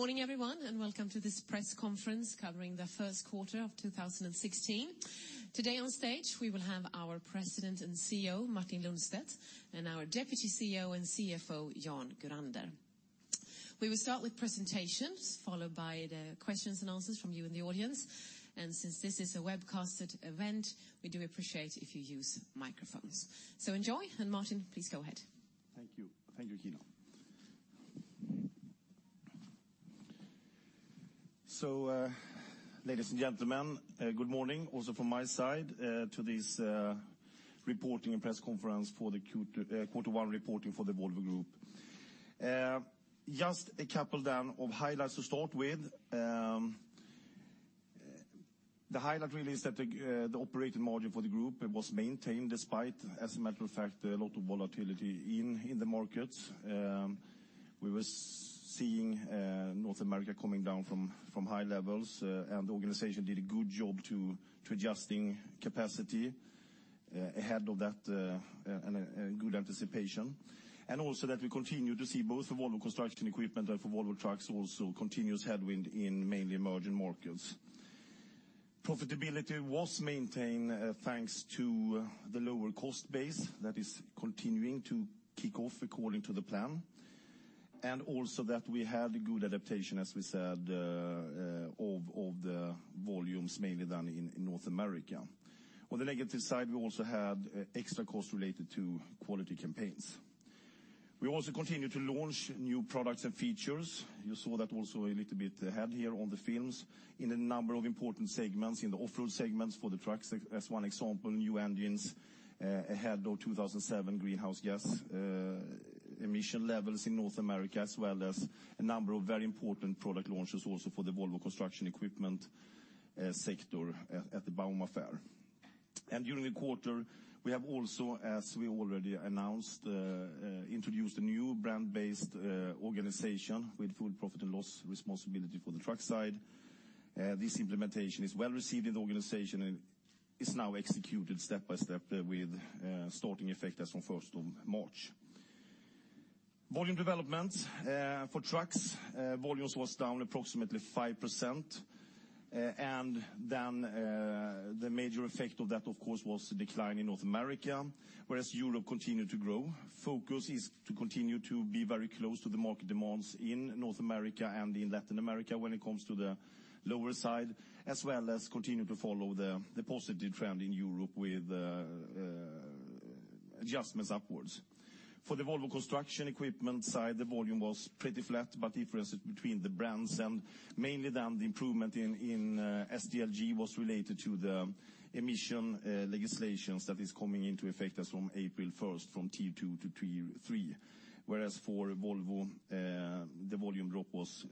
Morning, everyone, and welcome to this press conference covering the first quarter of 2016. Today on stage, we will have our President and CEO, Martin Lundstedt, and our Deputy CEO and CFO, Jan Gurander. We will start with presentations, followed by the questions and answers from you in the audience. Since this is a webcasted event, we do appreciate if you use microphones. Enjoy, and Martin, please go ahead. Thank you. Thank you, Gina. Ladies and gentlemen, good morning also from my side to this reporting and press conference for the quarter one reporting for the Volvo Group. Just a couple then of highlights to start with. The highlight really is that the operating margin for the group was maintained despite, as a matter of fact, a lot of volatility in the markets. We were seeing North America coming down from high levels, and the organization did a good job to adjusting capacity ahead of that, and good anticipation. Also that we continue to see both the Volvo Construction Equipment and for Volvo Trucks also continuous headwind in mainly emerging markets. Profitability was maintained thanks to the lower cost base that is continuing to kick off according to the plan. Also that we had good adaptation, as we said, of the volumes, mainly done in North America. On the negative side, we also had extra costs related to quality campaigns. We also continue to launch new products and features. You saw that also a little bit ahead here on the films in a number of important segments, in the off-road segments for the trucks, as one example, new engines, ahead of 2007 Greenhouse Gas Emission levels in North America, as well as a number of very important product launches also for the Volvo Construction Equipment sector at the bauma fair. During the quarter, we have also, as we already announced, introduced a new brand-based organization with full profit and loss responsibility for the truck side. This implementation is well received in the organization and is now executed step by step with starting effect as from 1st of March. Volume development for trucks, volumes was down approximately 5%. The major effect of that, of course, was the decline in North America, whereas Europe continued to grow. Focus is to continue to be very close to the market demands in North America and in Latin America when it comes to the lower side, as well as continue to follow the positive trend in Europe with adjustments upwards. For the Volvo Construction Equipment side, the volume was pretty flat, but differences between the brands and mainly then the improvement in SDLG was related to the emission legislations that is coming into effect as from April 1st from T2 to T3, whereas for Volvo, the volume drop was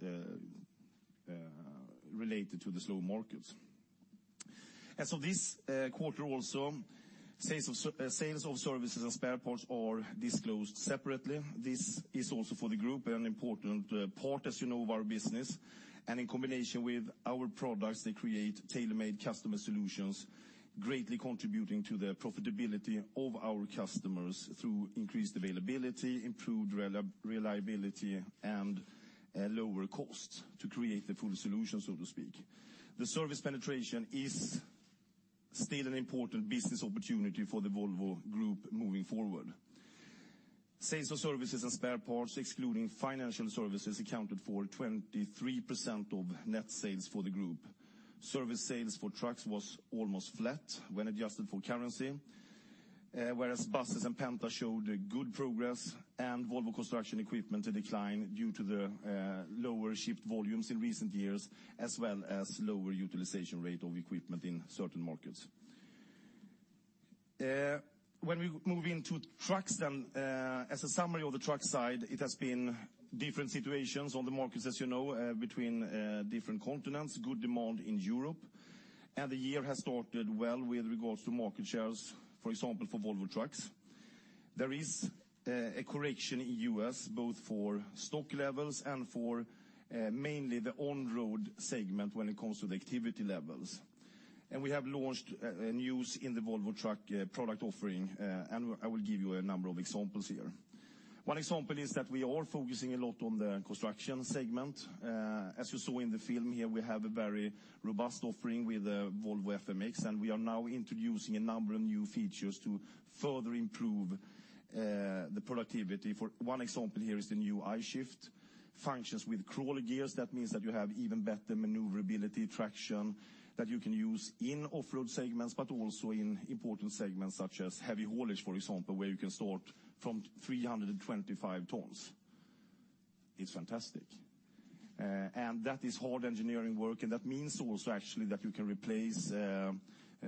related to the slow markets. This quarter also, sales of services and spare parts are disclosed separately. This is also for the group, an important part, as you know, of our business. In combination with our products, they create tailor-made customer solutions, greatly contributing to the profitability of our customers through increased availability, improved reliability, and lower cost to create the full solution, so to speak. The service penetration is still an important business opportunity for the Volvo Group moving forward. Sales of services and spare parts, excluding financial services, accounted for 23% of net sales for the group. Service sales for trucks was almost flat when adjusted for currency, whereas buses and Penta showed good progress and Volvo Construction Equipment a decline due to the lower shipped volumes in recent years, as well as lower utilization rate of equipment in certain markets. When we move into trucks then, as a summary of the truck side, it has been different situations on the markets, as you know, between different continents. Good demand in Europe. The year has started well with regards to market shares, for example, for Volvo Trucks. There is a correction in U.S., both for stock levels and for mainly the on-road segment when it comes to the activity levels. We have launched news in the Volvo Trucks product offering, and I will give you a number of examples here. One example is that we are focusing a lot on the construction segment. As you saw in the film here, we have a very robust offering with Volvo FMX, and we are now introducing a number of new features to further improve the productivity. One example here is the new I-Shift functions with crawler gears. That means that you have even better maneuverability, traction that you can use in off-road segments, but also in important segments such as heavy haulage, for example, where you can start from 325 tons. It's fantastic. That is hard engineering work, and that means also actually that you can replace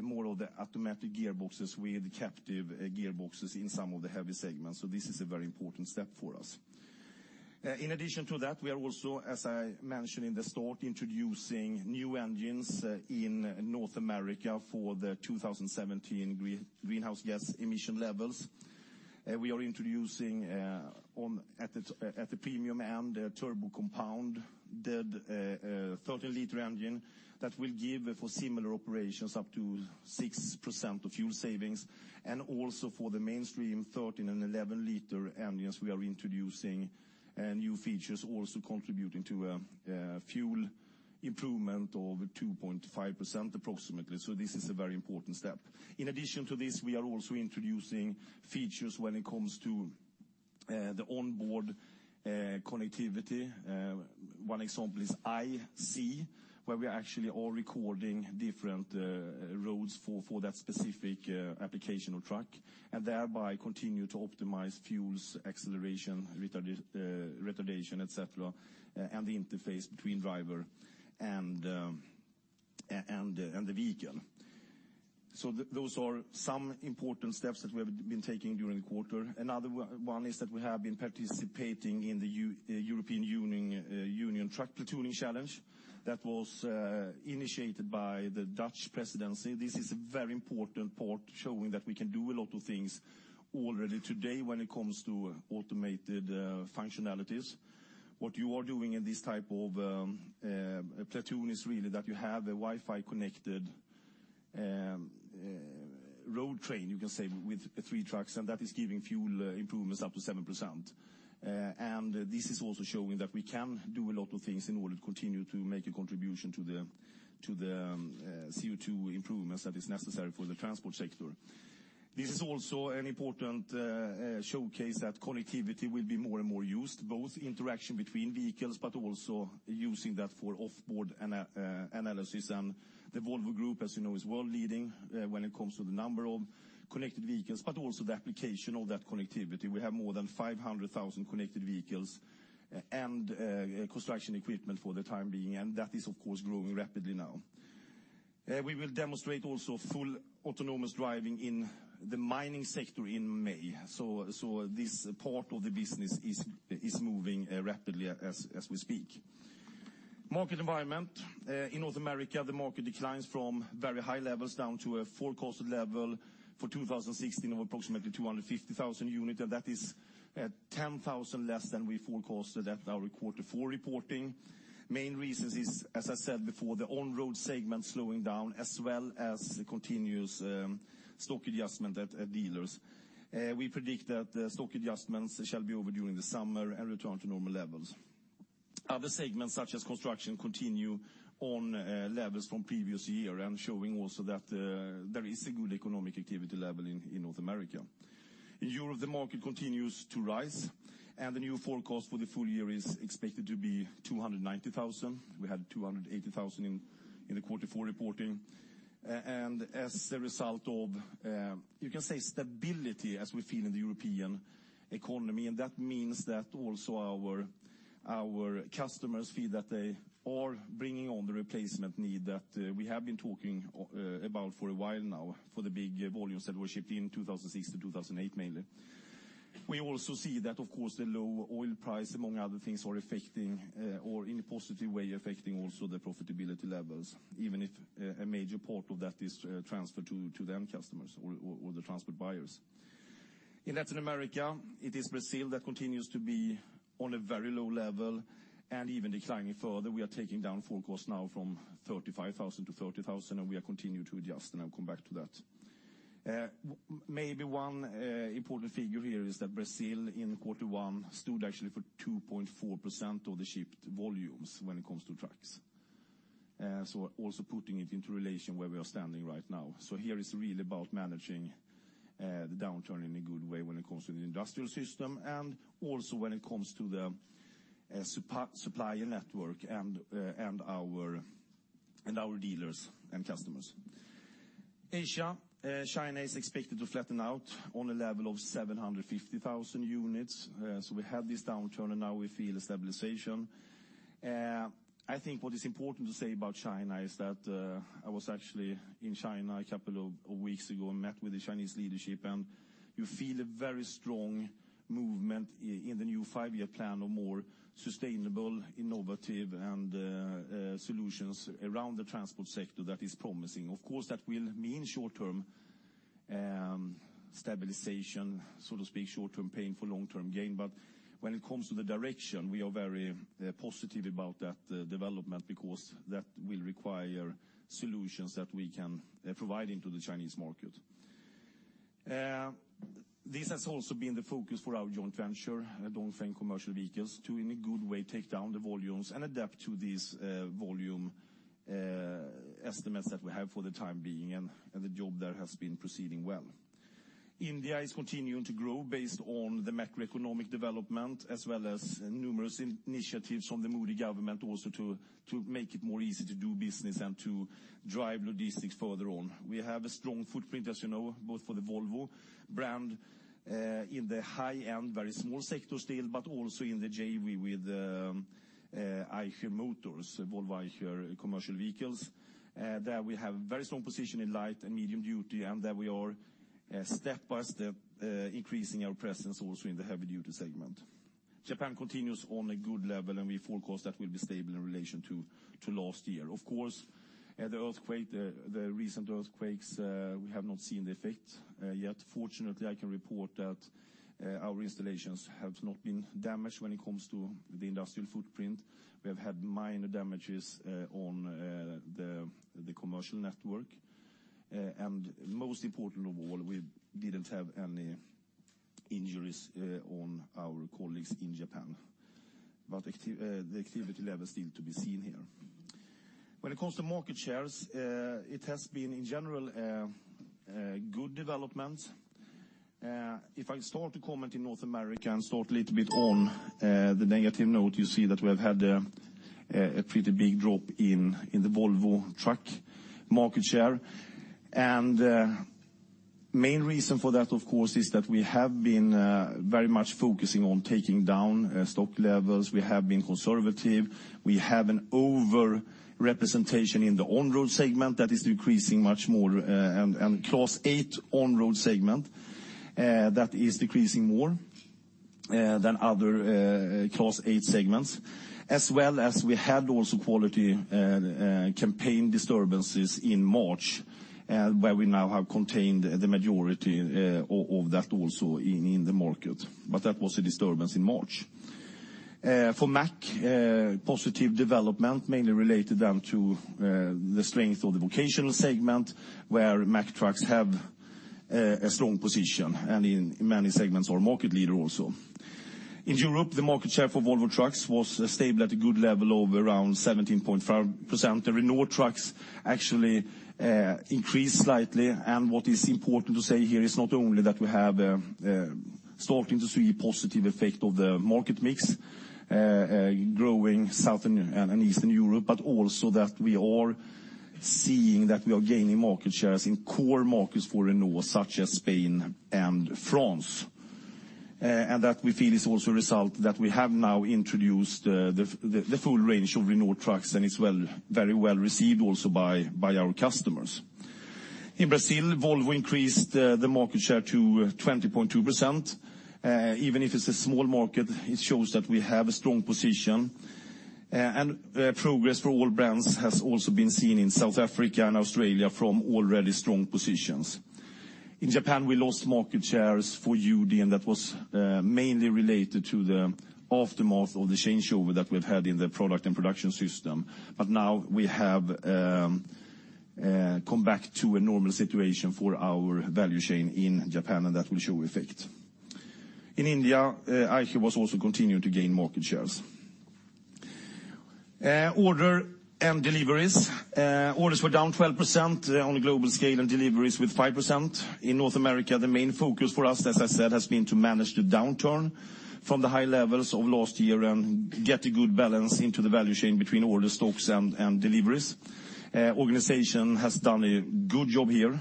more of the automatic gearboxes with captive gearboxes in some of the heavy segments. This is a very important step for us. In addition to that, we are also, as I mentioned in the start, introducing new engines in North America for the 2017 Greenhouse Gas Emission Levels. We are introducing at the premium end a turbo compound, the 13-liter engine that will give, for similar operations, up to 6% of fuel savings, and also for the mainstream 13 and 11-liter engines, we are introducing new features also contributing to a fuel improvement of 2.5% approximately. This is a very important step. In addition to this, we are also introducing features when it comes to the onboard connectivity. One example is I-See, where we are actually all recording different roads for that specific application or truck, and thereby continue to optimize fuels, acceleration, retardation, et cetera, and the interface between driver and the vehicle. Those are some important steps that we have been taking during the quarter. Another one is that we have been participating in the European Union Truck Platooning challenge that was initiated by the Dutch presidency. This is a very important part, showing that we can do a lot of things already today when it comes to automated functionalities. What you are doing in this type of platoon is really that you have a Wi-Fi connected road train, you can say, with three trucks. That is giving fuel improvements up to 7%. This is also showing that we can do a lot of things in order to continue to make a contribution to the CO2 improvements that is necessary for the transport sector. This is also an important showcase that connectivity will be more and more used, both interaction between vehicles, but also using that for off-board analysis. The Volvo Group, as you know, is world leading when it comes to the number of connected vehicles, but also the application of that connectivity. We have more than 500,000 connected vehicles and construction equipment for the time being. That is, of course, growing rapidly now. We will demonstrate also full autonomous driving in the mining sector in May. This part of the business is moving rapidly as we speak. Market environment. In North America, the market declines from very high levels down to a forecasted level for 2016 of approximately 250,000 units. That is 10,000 less than we forecasted at our quarter four reporting. Main reasons is, as I said before, the on-road segment slowing down as well as the continuous stock adjustment at dealers. We predict that stock adjustments shall be over during the summer and return to normal levels. Other segments, such as construction, continue on levels from previous year and showing also that there is a good economic activity level in North America. In Europe, the market continues to rise, the new forecast for the full year is expected to be 290,000. We had 280,000 in the quarter four reporting. As a result of, you can say, stability as we feel in the European economy. That means that also our customers feel that they are bringing on the replacement need that we have been talking about for a while now for the big volumes that were shipped in 2006 to 2008, mainly. We also see that, of course, the low oil price, among other things, in a positive way affecting also the profitability levels, even if a major part of that is transferred to the end customers or the transport buyers. In Latin America, it is Brazil that continues to be on a very low level even declining further. We are taking down forecast now from 35,000 to 30,000. We are continuing to adjust, I'll come back to that. Maybe one important figure here is that Brazil in quarter one stood actually for 2.4% of the shipped volumes when it comes to trucks. Also putting it into relation where we are standing right now. Here it's really about managing the downturn in a good way when it comes to the industrial system also when it comes to the supplier network and our dealers and customers. Asia. China is expected to flatten out on a level of 750,000 units. We had this downturn, now we feel a stabilization. I think what is important to say about China is that I was actually in China a couple of weeks ago met with the Chinese leadership. You feel a very strong movement in the new five-year plan of more sustainable, innovative, and solutions around the transport sector that is promising. Of course, that will mean short-term stabilization, so to speak, short-term pain for long-term gain. When it comes to the direction, we are very positive about that development because that will require solutions that we can provide into the Chinese market. This has also been the focus for our joint venture, Dongfeng Commercial Vehicles, to, in a good way, take down the volumes and adapt to these volume estimates that we have for the time being, and the job there has been proceeding well. India is continuing to grow based on the macroeconomic development as well as numerous initiatives from the Modi government also to make it more easy to do business and to drive logistics further on. We have a strong footprint, as you know, both for the Volvo brand in the high-end, very small sector still, but also in the JV with Eicher Motors, Volvo Eicher Commercial Vehicles. There we have very strong position in light and medium duty, and there we are step by step increasing our presence also in the heavy-duty segment. Japan continues on a good level, and we forecast that will be stable in relation to last year. Of course, the recent earthquakes, we have not seen the effect yet. Fortunately, I can report that our installations have not been damaged when it comes to the industrial footprint. We have had minor damages on the commercial network. Most important of all, we didn't have any injuries on our colleagues in Japan. The activity level still to be seen here. When it comes to market shares, it has been in general good developments. If I start to comment in North America and start a little bit on the negative note, you see that we have had a pretty big drop in the Volvo Trucks market share. Main reason for that, of course, is that we have been very much focusing on taking down stock levels. We have been conservative. We have an over-representation in the on-road segment that is decreasing much more, and Class 8 on-road segment that is decreasing more than other Class 8 segments, as well as we had also quality campaign disturbances in March, where we now have contained the majority of that also in the market. That was a disturbance in March. For Mack, positive development mainly related then to the strength of the vocational segment, where Mack Trucks have a strong position, and in many segments are market leader also. In Europe, the market share for Volvo Trucks was stable at a good level of around 17.5%. The Renault Trucks actually increased slightly. What is important to say here is not only that we have starting to see positive effect of the market mix growing South and Eastern Europe, but also that we are seeing that we are gaining market shares in core markets for Renault, such as Spain and France. That we feel is also a result that we have now introduced the full range of Renault Trucks, and it's very well received also by our customers. In Brazil, Volvo increased the market share to 20.2%. Even if it's a small market, it shows that we have a strong position. Progress for all brands has also been seen in South Africa and Australia from already strong positions. In Japan, we lost market shares for UD, and that was mainly related to the aftermath of the changeover that we've had in the product and production system. Now we have come back to a normal situation for our value chain in Japan, and that will show effect. In India, Eicher was also continuing to gain market shares. Order and deliveries. Orders were down 12% on a global scale, and deliveries with 5%. In North America, the main focus for us, as I said, has been to manage the downturn from the high levels of last year and get a good balance into the value chain between order stocks and deliveries. Organization has done a good job here,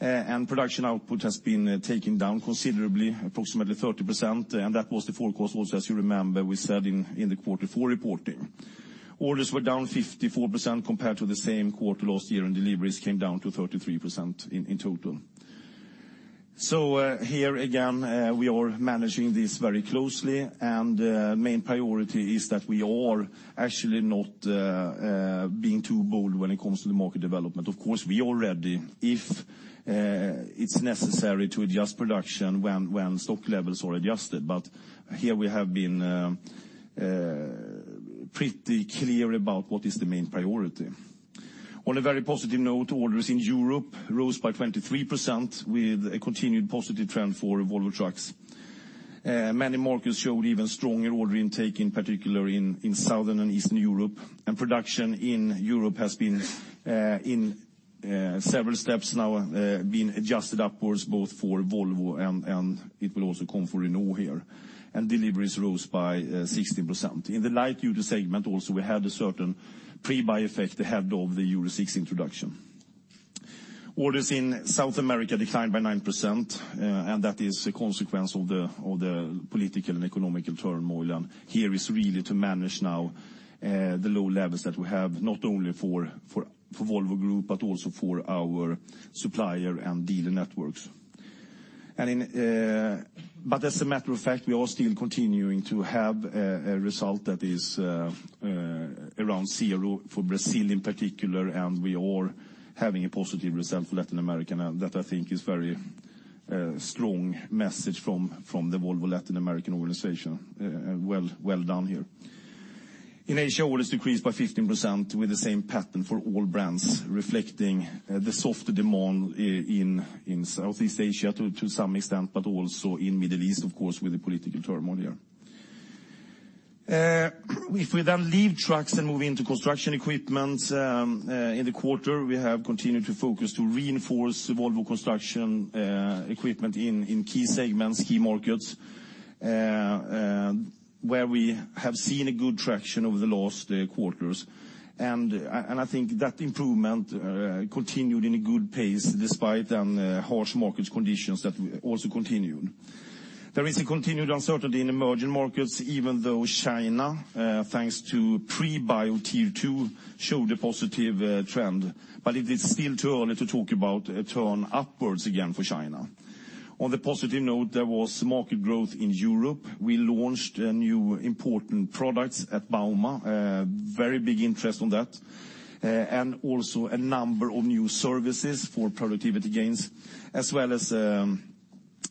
production output has been taken down considerably, approximately 30%, and that was the forecast also, as you remember, we said in the quarter four reporting. Orders were down 54% compared to the same quarter last year, deliveries came down to 33% in total. Here again, we are managing this very closely, main priority is that we are actually not being too bold when it comes to the market development. Of course, we are ready if it's necessary to adjust production when stock levels are adjusted. Here we have been pretty clear about what is the main priority. On a very positive note, orders in Europe rose by 23% with a continued positive trend for Volvo Trucks. Many markets showed even stronger order intake, in particular in Southern and Eastern Europe. Production in Europe has been in several steps now, been adjusted upwards both for Volvo and it will also come for Renault here. Deliveries rose by 16%. In the light duty segment also, we had a certain pre-buy effect ahead of the Euro 6 introduction. Orders in South America declined by 9%, that is a consequence of the political and economic turmoil, here is really to manage now the low levels that we have, not only for Volvo Group, but also for our supplier and dealer networks. As a matter of fact, we are still continuing to have a result that is around zero for Brazil in particular, we are having a positive result for Latin America, that I think is very strong message from the Volvo Latin American organization. Well done here. In Asia, orders decreased by 15% with the same pattern for all brands, reflecting the softer demand in Southeast Asia to some extent, also in Middle East, of course, with the political turmoil here. If we leave trucks and move into construction equipment, in the quarter, we have continued to focus to reinforce Volvo Construction Equipment in key segments, key markets, where we have seen a good traction over the last quarters. I think that improvement continued in a good pace despite harsh market conditions that also continued. There is a continued uncertainty in emerging markets, even though China, thanks to pre-buy of Tier 2, showed a positive trend, it is still too early to talk about a turn upwards again for China. On the positive note, there was market growth in Europe. We launched new important products at bauma, very big interest on that, and also a number of new services for productivity gains as well as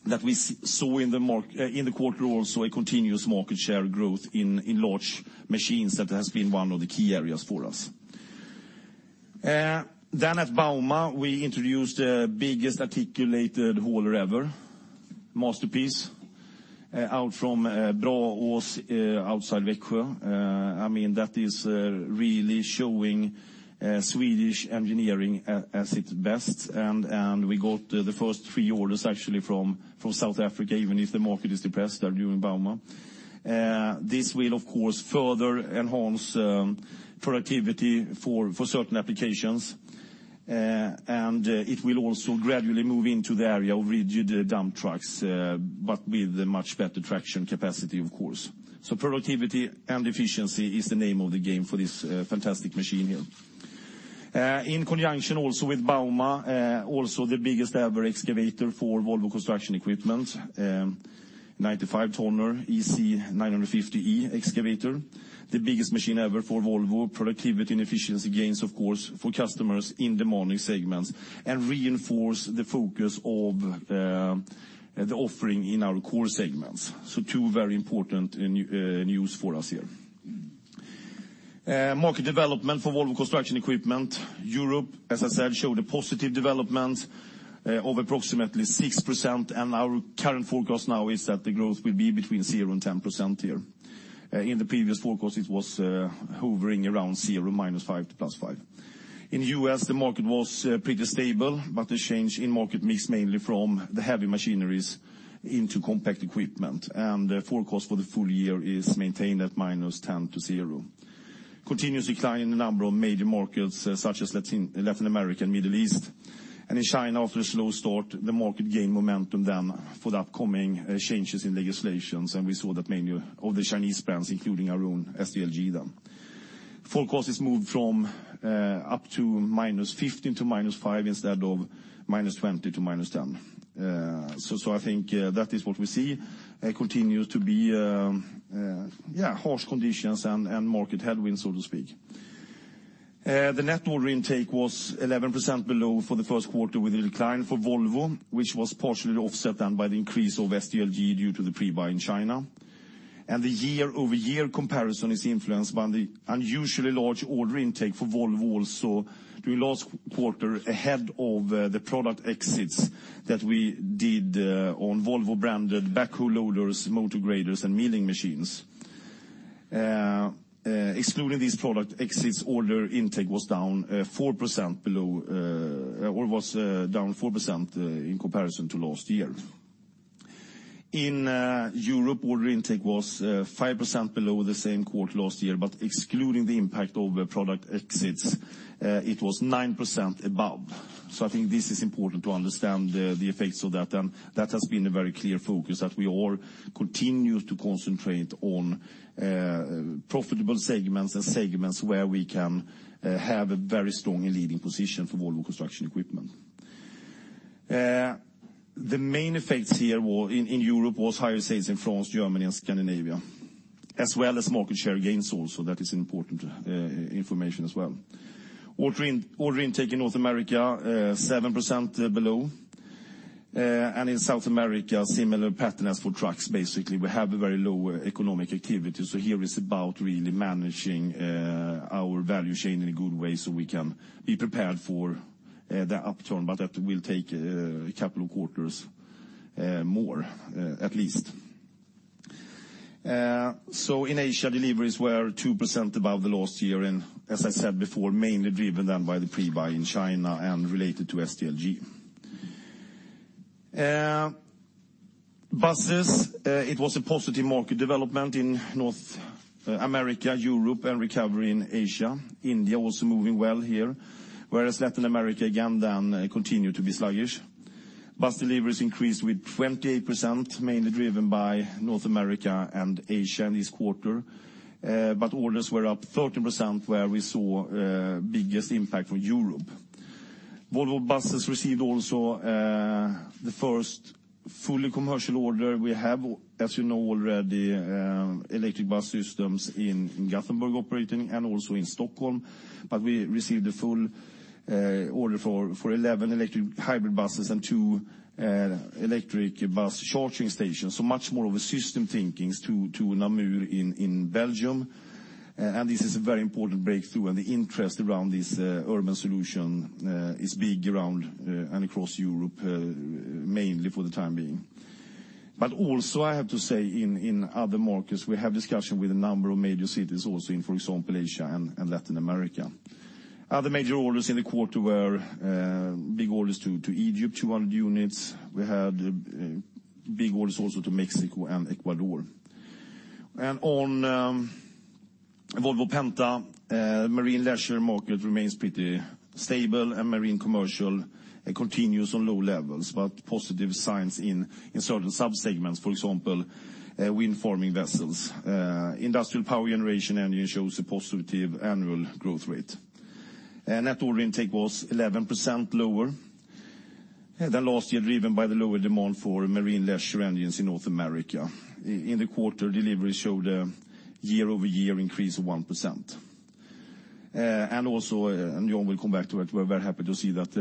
that we saw in the quarter also a continuous market share growth in large machines that has been one of the key areas for us. At bauma, we introduced the biggest articulated hauler ever, Masterpiece, out from Braås outside Växjö. That is really showing Swedish engineering at its best, and we got the first three orders, actually, from South Africa, even if the market is depressed during bauma. This will, of course, further enhance productivity for certain applications, and it will also gradually move into the area of rigid dump trucks, but with a much better traction capacity, of course. Productivity and efficiency is the name of the game for this fantastic machine here. In conjunction also with bauma, also the biggest ever excavator for Volvo Construction Equipment, 95-tonner EC950E excavator, the biggest machine ever for Volvo. Productivity and efficiency gains, of course, for customers in demanding segments and reinforce the focus of the offering in our core segments. Two very important news for us here. Market development for Volvo Construction Equipment. Europe, as I said, showed a positive development of approximately 6%, and our current forecast now is that the growth will be between 0%-10% here. In the previous forecast, it was hovering around 0%, -5% to +5%. In the U.S., the market was pretty stable, but the change in market mix mainly from the heavy machineries into compact equipment, and the forecast for the full year is maintained at -10% to 0%. Continuous decline in a number of major markets such as Latin America and Middle East. In China, after a slow start, the market gained momentum then for the upcoming changes in legislations, and we saw that mainly of the Chinese brands, including our own SDLG then. Forecast has moved from up to -15% to -5% instead of -20% to -10%. I think that is what we see, continues to be harsh conditions and market headwinds, so to speak. The net order intake was 11% below for the first quarter with a decline for Volvo, which was partially offset then by the increase of SDLG due to the pre-buy in China. The year-over-year comparison is influenced by the unusually large order intake for Volvo also the last quarter ahead of the product exits that we did on Volvo-branded backhoe loaders, motor graders, and milling machines. Excluding these product exits, order intake was down 4% in comparison to last year. In Europe, order intake was 5% below the same quarter last year, but excluding the impact of product exits, it was 9% above. I think this is important to understand the effects of that, and that has been a very clear focus that we all continue to concentrate on profitable segments and segments where we can have a very strong and leading position for Volvo Construction Equipment. The main effects here in Europe was higher sales in France, Germany, and Scandinavia, as well as market share gains also. That is important information as well. Order intake in North America, 7% below. In South America, similar pattern as for trucks, basically. We have a very low economic activity. Here it's about really managing our value chain in a good way so we can be prepared for the upturn, but that will take a couple of quarters more, at least. In Asia, deliveries were 2% above the last year, and as I said before, mainly driven by the pre-buy in China and related to SDLG. Buses, it was a positive market development in North America, Europe, and recovery in Asia. India also moving well here, whereas Latin America again continued to be sluggish. Bus deliveries increased with 28%, mainly driven by North America and Asia this quarter. Orders were up 13% where we saw biggest impact from Europe. Volvo Buses received also the first fully commercial order. We have, as you know already, electric bus systems in Gothenburg operating and also in Stockholm. We received a full order for 11 electric hybrid buses and two electric bus charging stations, much more of a system thinking to Namur in Belgium. This is a very important breakthrough, and the interest around this urban solution is big around and across Europe, mainly for the time being. Also, I have to say in other markets, we have discussion with a number of major cities also in, for example, Asia and Latin America. Other major orders in the quarter were big orders to Egypt, 200 units. We had big orders also to Mexico and Ecuador. On Volvo Penta, Marine Leisure market remains pretty stable and Marine Commercial continues on low levels, but positive signs in certain sub-segments, for example, wind farming vessels. Industrial power generation engine shows a positive annual growth rate. Net order intake was 11% lower than last year, driven by the lower demand for marine leisure engines in North America. In the quarter, delivery showed a year-over-year increase of 1%. Also, Jan will come back to it, we're very happy to see that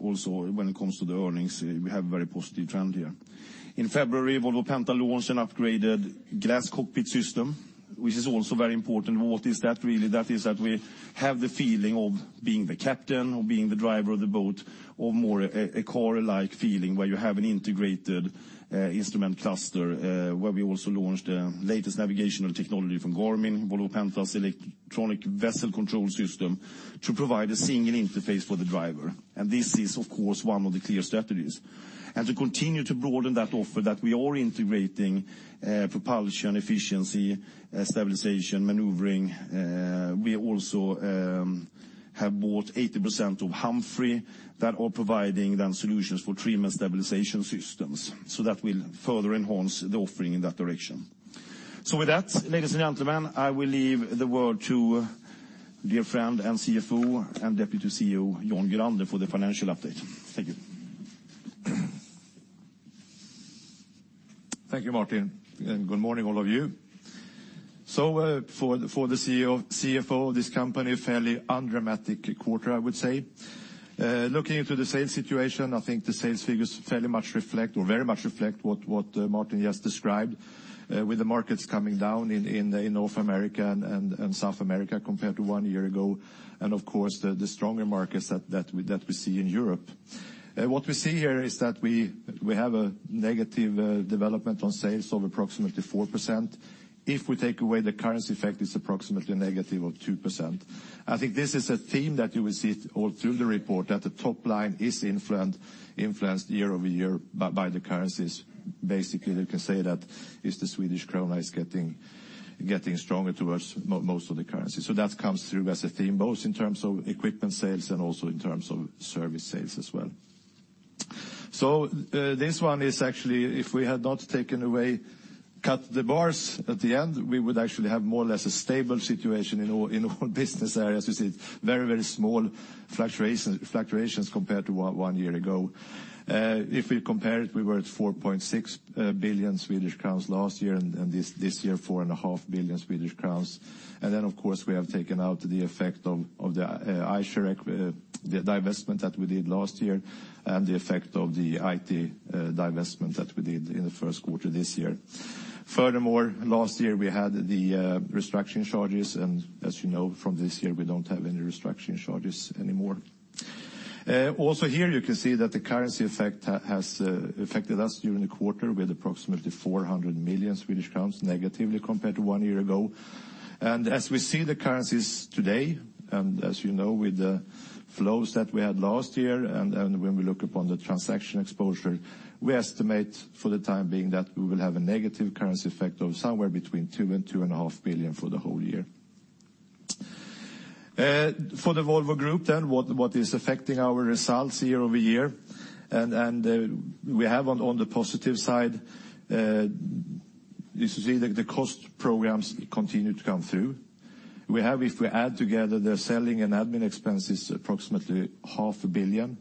also when it comes to the earnings, we have a very positive trend here. In February, Volvo Penta launched an upgraded Glass Cockpit system, which is also very important. What is that, really? That is that we have the feeling of being the captain or being the driver of the boat, or more a car-like feeling where you have an integrated instrument cluster, where we also launched the latest navigational technology from Garmin, Volvo Penta's electronic vessel control system, to provide a single interface for the driver. This is, of course, one of the clear strategies. To continue to broaden that offer that we are integrating, propulsion, efficiency, stabilization, maneuvering. We also have bought 80% of Humphree, that are providing them solutions for trim and stabilization systems. That will further enhance the offering in that direction. With that, ladies and gentlemen, I will leave the word to dear friend and CFO and Deputy CEO, Jan Gurander, for the financial update. Thank you. Thank you, Martin. Good morning, all of you. For the CFO of this company, a fairly undramatic quarter, I would say. Looking into the sales situation, I think the sales figures very much reflect what Martin just described, with the markets coming down in North America and South America compared to one year ago, and of course, the stronger markets that we see in Europe. What we see here is that we have a negative development on sales of approximately 4%. If we take away the currency effect, it's approximately negative of 2%. I think this is a theme that you will see all through the report, that the top line is influenced year-over-year by the currencies. Basically, you can say that it's the Swedish krona is getting stronger towards most of the currencies. That comes through as a theme, both in terms of equipment sales and also in terms of service sales as well. This one is actually, if we had not taken away, cut the bars at the end, we would actually have more or less a stable situation in all business areas. You see very small fluctuations compared to one year ago. If we compare it, we were at 4.6 billion Swedish crowns last year, and this year, 4.5 billion Swedish crowns. Then, of course, we have taken out the effect of the Eicher divestment that we did last year and the effect of the Volvo IT divestment that we did in the first quarter this year. Furthermore, last year we had the restructuring charges, as you know from this year, we don't have any restructuring charges anymore. Here, you can see that the currency effect has affected us during the quarter with approximately 400 million Swedish crowns negatively compared to one year ago. As we see the currencies today, as you know, with the flows that we had last year and when we look upon the transaction exposure, we estimate for the time being that we will have a negative currency effect of somewhere between 2 billion and 2.5 billion for the whole year. For the Volvo Group then, what is affecting our results year-over-year, we have on the positive side, you see the cost programs continue to come through. We have, if we add together the SG&A, approximately SEK half a billion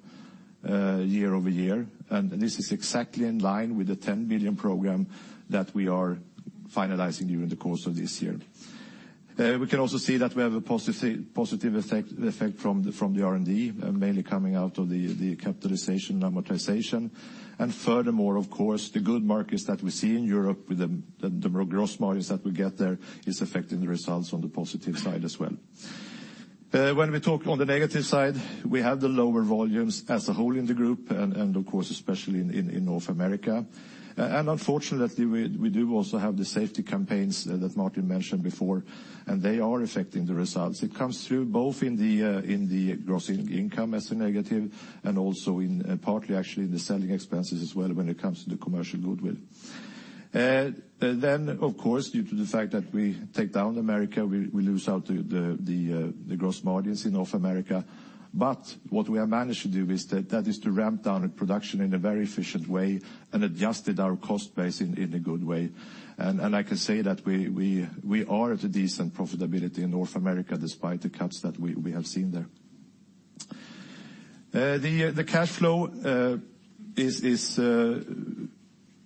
year-over-year, and this is exactly in line with the 10 billion program that we are finalizing during the course of this year. We can also see that we have a positive effect from the R&D, mainly coming out of the capitalization amortization. Furthermore, of course, the good markets that we see in Europe with the growth markets that we get there is affecting the results on the positive side as well. When we talk on the negative side, we have the lower volumes as a whole in the group and of course, especially in North America. Unfortunately, we do also have the safety campaigns that Martin mentioned before, and they are affecting the results. It comes through both in the gross income as a negative and also in partly, actually, in the selling expenses as well when it comes to the commercial goodwill. Of course, due to the fact that we take down North America, we lose out the gross margins in North America. What we have managed to do is to ramp down production in a very efficient way and adjusted our cost base in a good way. I can say that we are at a decent profitability in North America despite the cuts that we have seen there. The cash flow is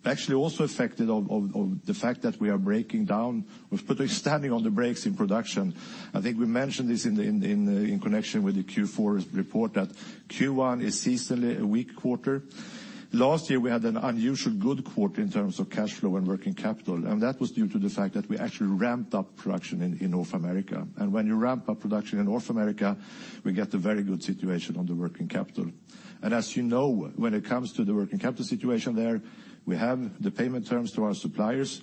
actually also affected of the fact that we are breaking down. We're standing on the brakes in production. I think we mentioned this in connection with the Q4 report, that Q1 is seasonally a weak quarter. Last year, we had an unusually good quarter in terms of cash flow and working capital, and that was due to the fact that we actually ramped up production in North America. When you ramp up production in North America, we get a very good situation on the working capital. As you know, when it comes to the working capital situation there, we have the payment terms to our suppliers.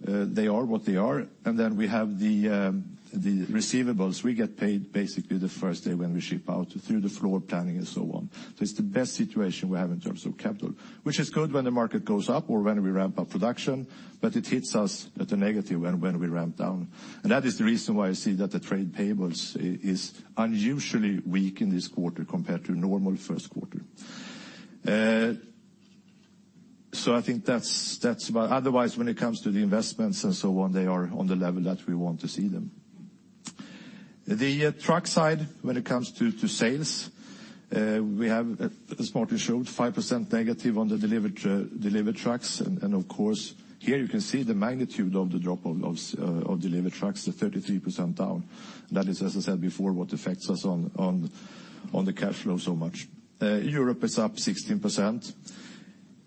They are what they are. Then we have the receivables. We get paid basically the first day when we ship out through the floor planning and so on. It's the best situation we have in terms of capital, which is good when the market goes up or when we ramp up production, but it hits us at a negative when we ramp down. That is the reason why I see that the trade payables is unusually weak in this quarter compared to a normal first quarter. Otherwise, when it comes to the investments and so on, they are on the level that we want to see them. The truck side, when it comes to sales, we have, as Martin showed, 5% negative on the delivered trucks. Of course, here you can see the magnitude of the drop of delivered trucks, the 33% down. That is, as I said before, what affects us on the cash flow so much. Europe is up 16%.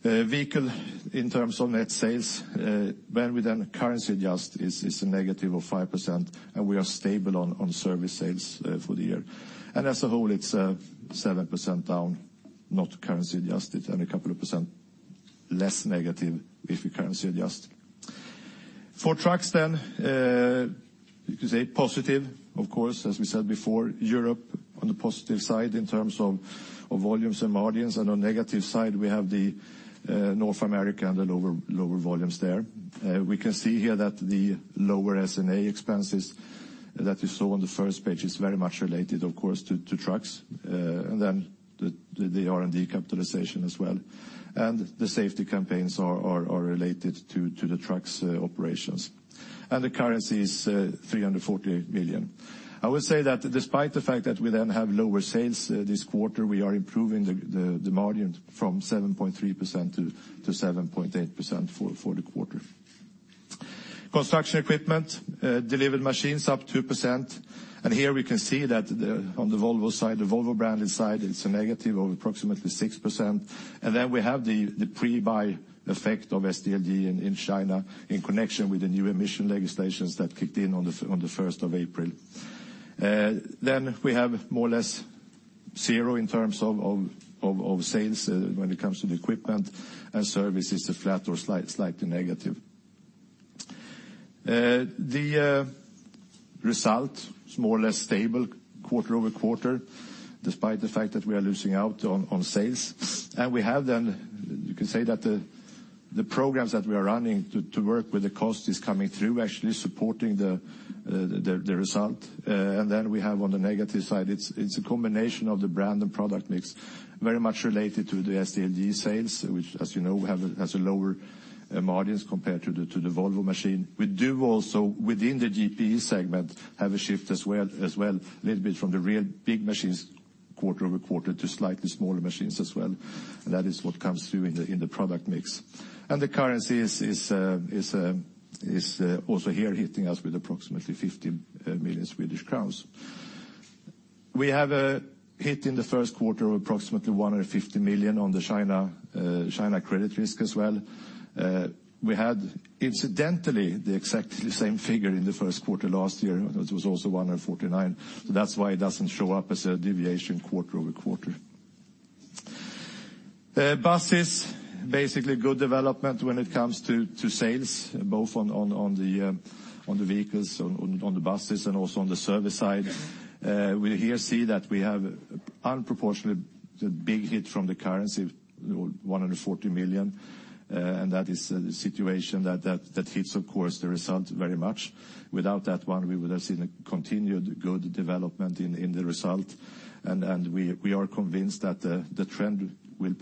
Vehicle in terms of net sales, when we then currency adjust, is a negative of 5%, and we are stable on service sales for the year. As a whole, it's 7% down, not currency adjusted, and a couple of percent less negative if we currency adjust. For trucks then, you can say positive, of course, as we said before, Europe on the positive side in terms of volumes and margins, and on negative side, we have the North America and the lower volumes there. We can see here that the lower SG&A expenses that you saw on the first page is very much related, of course, to trucks, and then the R&D capitalization as well. The safety campaigns are related to the trucks operations. The currency is 340 million. I would say that despite the fact that we then have lower sales this quarter, we are improving the margin from 7.3%-7.8% for the quarter. Construction equipment, delivered machines up 2%. Here we can see that on the Volvo side, the Volvo brand side, it's a negative of approximately 6%. Then we have the pre-buy effect of SDLG in China in connection with the new emission legislations that kicked in on the 1st of April. Then we have more or less zero in terms of sales when it comes to the equipment, and service is flat or slightly negative. The result is more or less stable quarter-over-quarter, despite the fact that we are losing out on sales. We have then, you can say that the programs that we are running to work with the cost is coming through, actually supporting the result. We have on the negative side, it's a combination of the brand and product mix, very much related to the SDLG sales, which, as you know, has a lower margins compared to the Volvo machine. We do also, within the GPE segment, have a shift as well, little bit from the real big machines quarter-over-quarter to slightly smaller machines as well. That is what comes through in the product mix. The currency is also here hitting us with approximately 50 million Swedish crowns. We have a hit in the first quarter of approximately 150 million on the China credit risk as well. We had, incidentally, the exactly same figure in the first quarter last year. It was also 149. That's why it doesn't show up as a deviation quarter-over-quarter. Buses, basically good development when it comes to sales, both on the vehicles, on the buses, and also on the service side. We here see that we have disproportionately big hit from the currency, 140 million. That is a situation that hits, of course, the result very much. Without that one, we would have seen a continued good development in the result. We are convinced that the trend will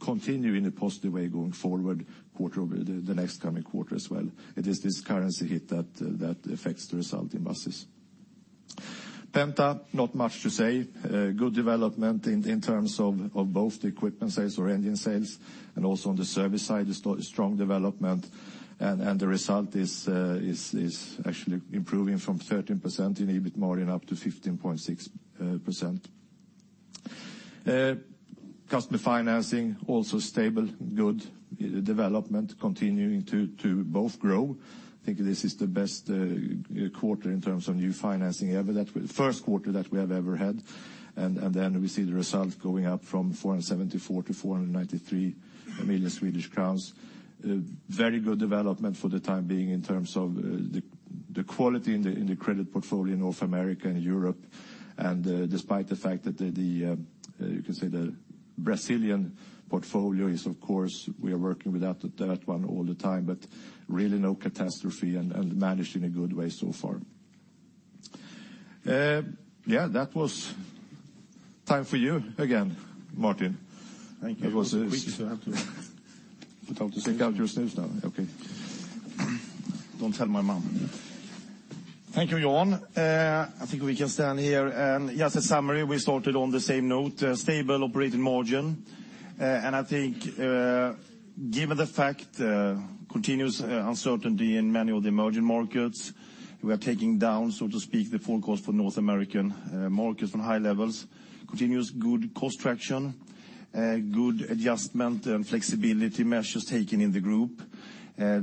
continue in a positive way going forward quarter over the next coming quarter as well. It is this currency hit that affects the result in buses. Penta, not much to say. Good development in terms of both the equipment sales or engine sales, and also on the service side, a strong development. The result is actually improving from 13% in EBIT margin up to 15.6%. Customer financing, also stable, good development, continuing to both grow. I think this is the best quarter in terms of new financing ever. First quarter that we have ever had. We see the results going up from 474 million to 493 million Swedish crowns. Very good development for the time being in terms of the quality in the credit portfolio in North America and Europe. Despite the fact that the, you can say the Brazilian portfolio is, of course, we are working with that one all the time, but really no catastrophe and managed in a good way so far. Yeah, that was time for you again, Martin. Thank you. It was. Quick, I have to put out the cigarettes now. Okay. Don't tell my mom. Thank you, Jan. I think we can stand here. Just a summary, we started on the same note, stable operating margin. I think given the fact continuous uncertainty in many of the emerging markets, we are taking down, so to speak, the full cost for North American markets from high levels, continuous good cost traction, good adjustment and flexibility measures taken in the group.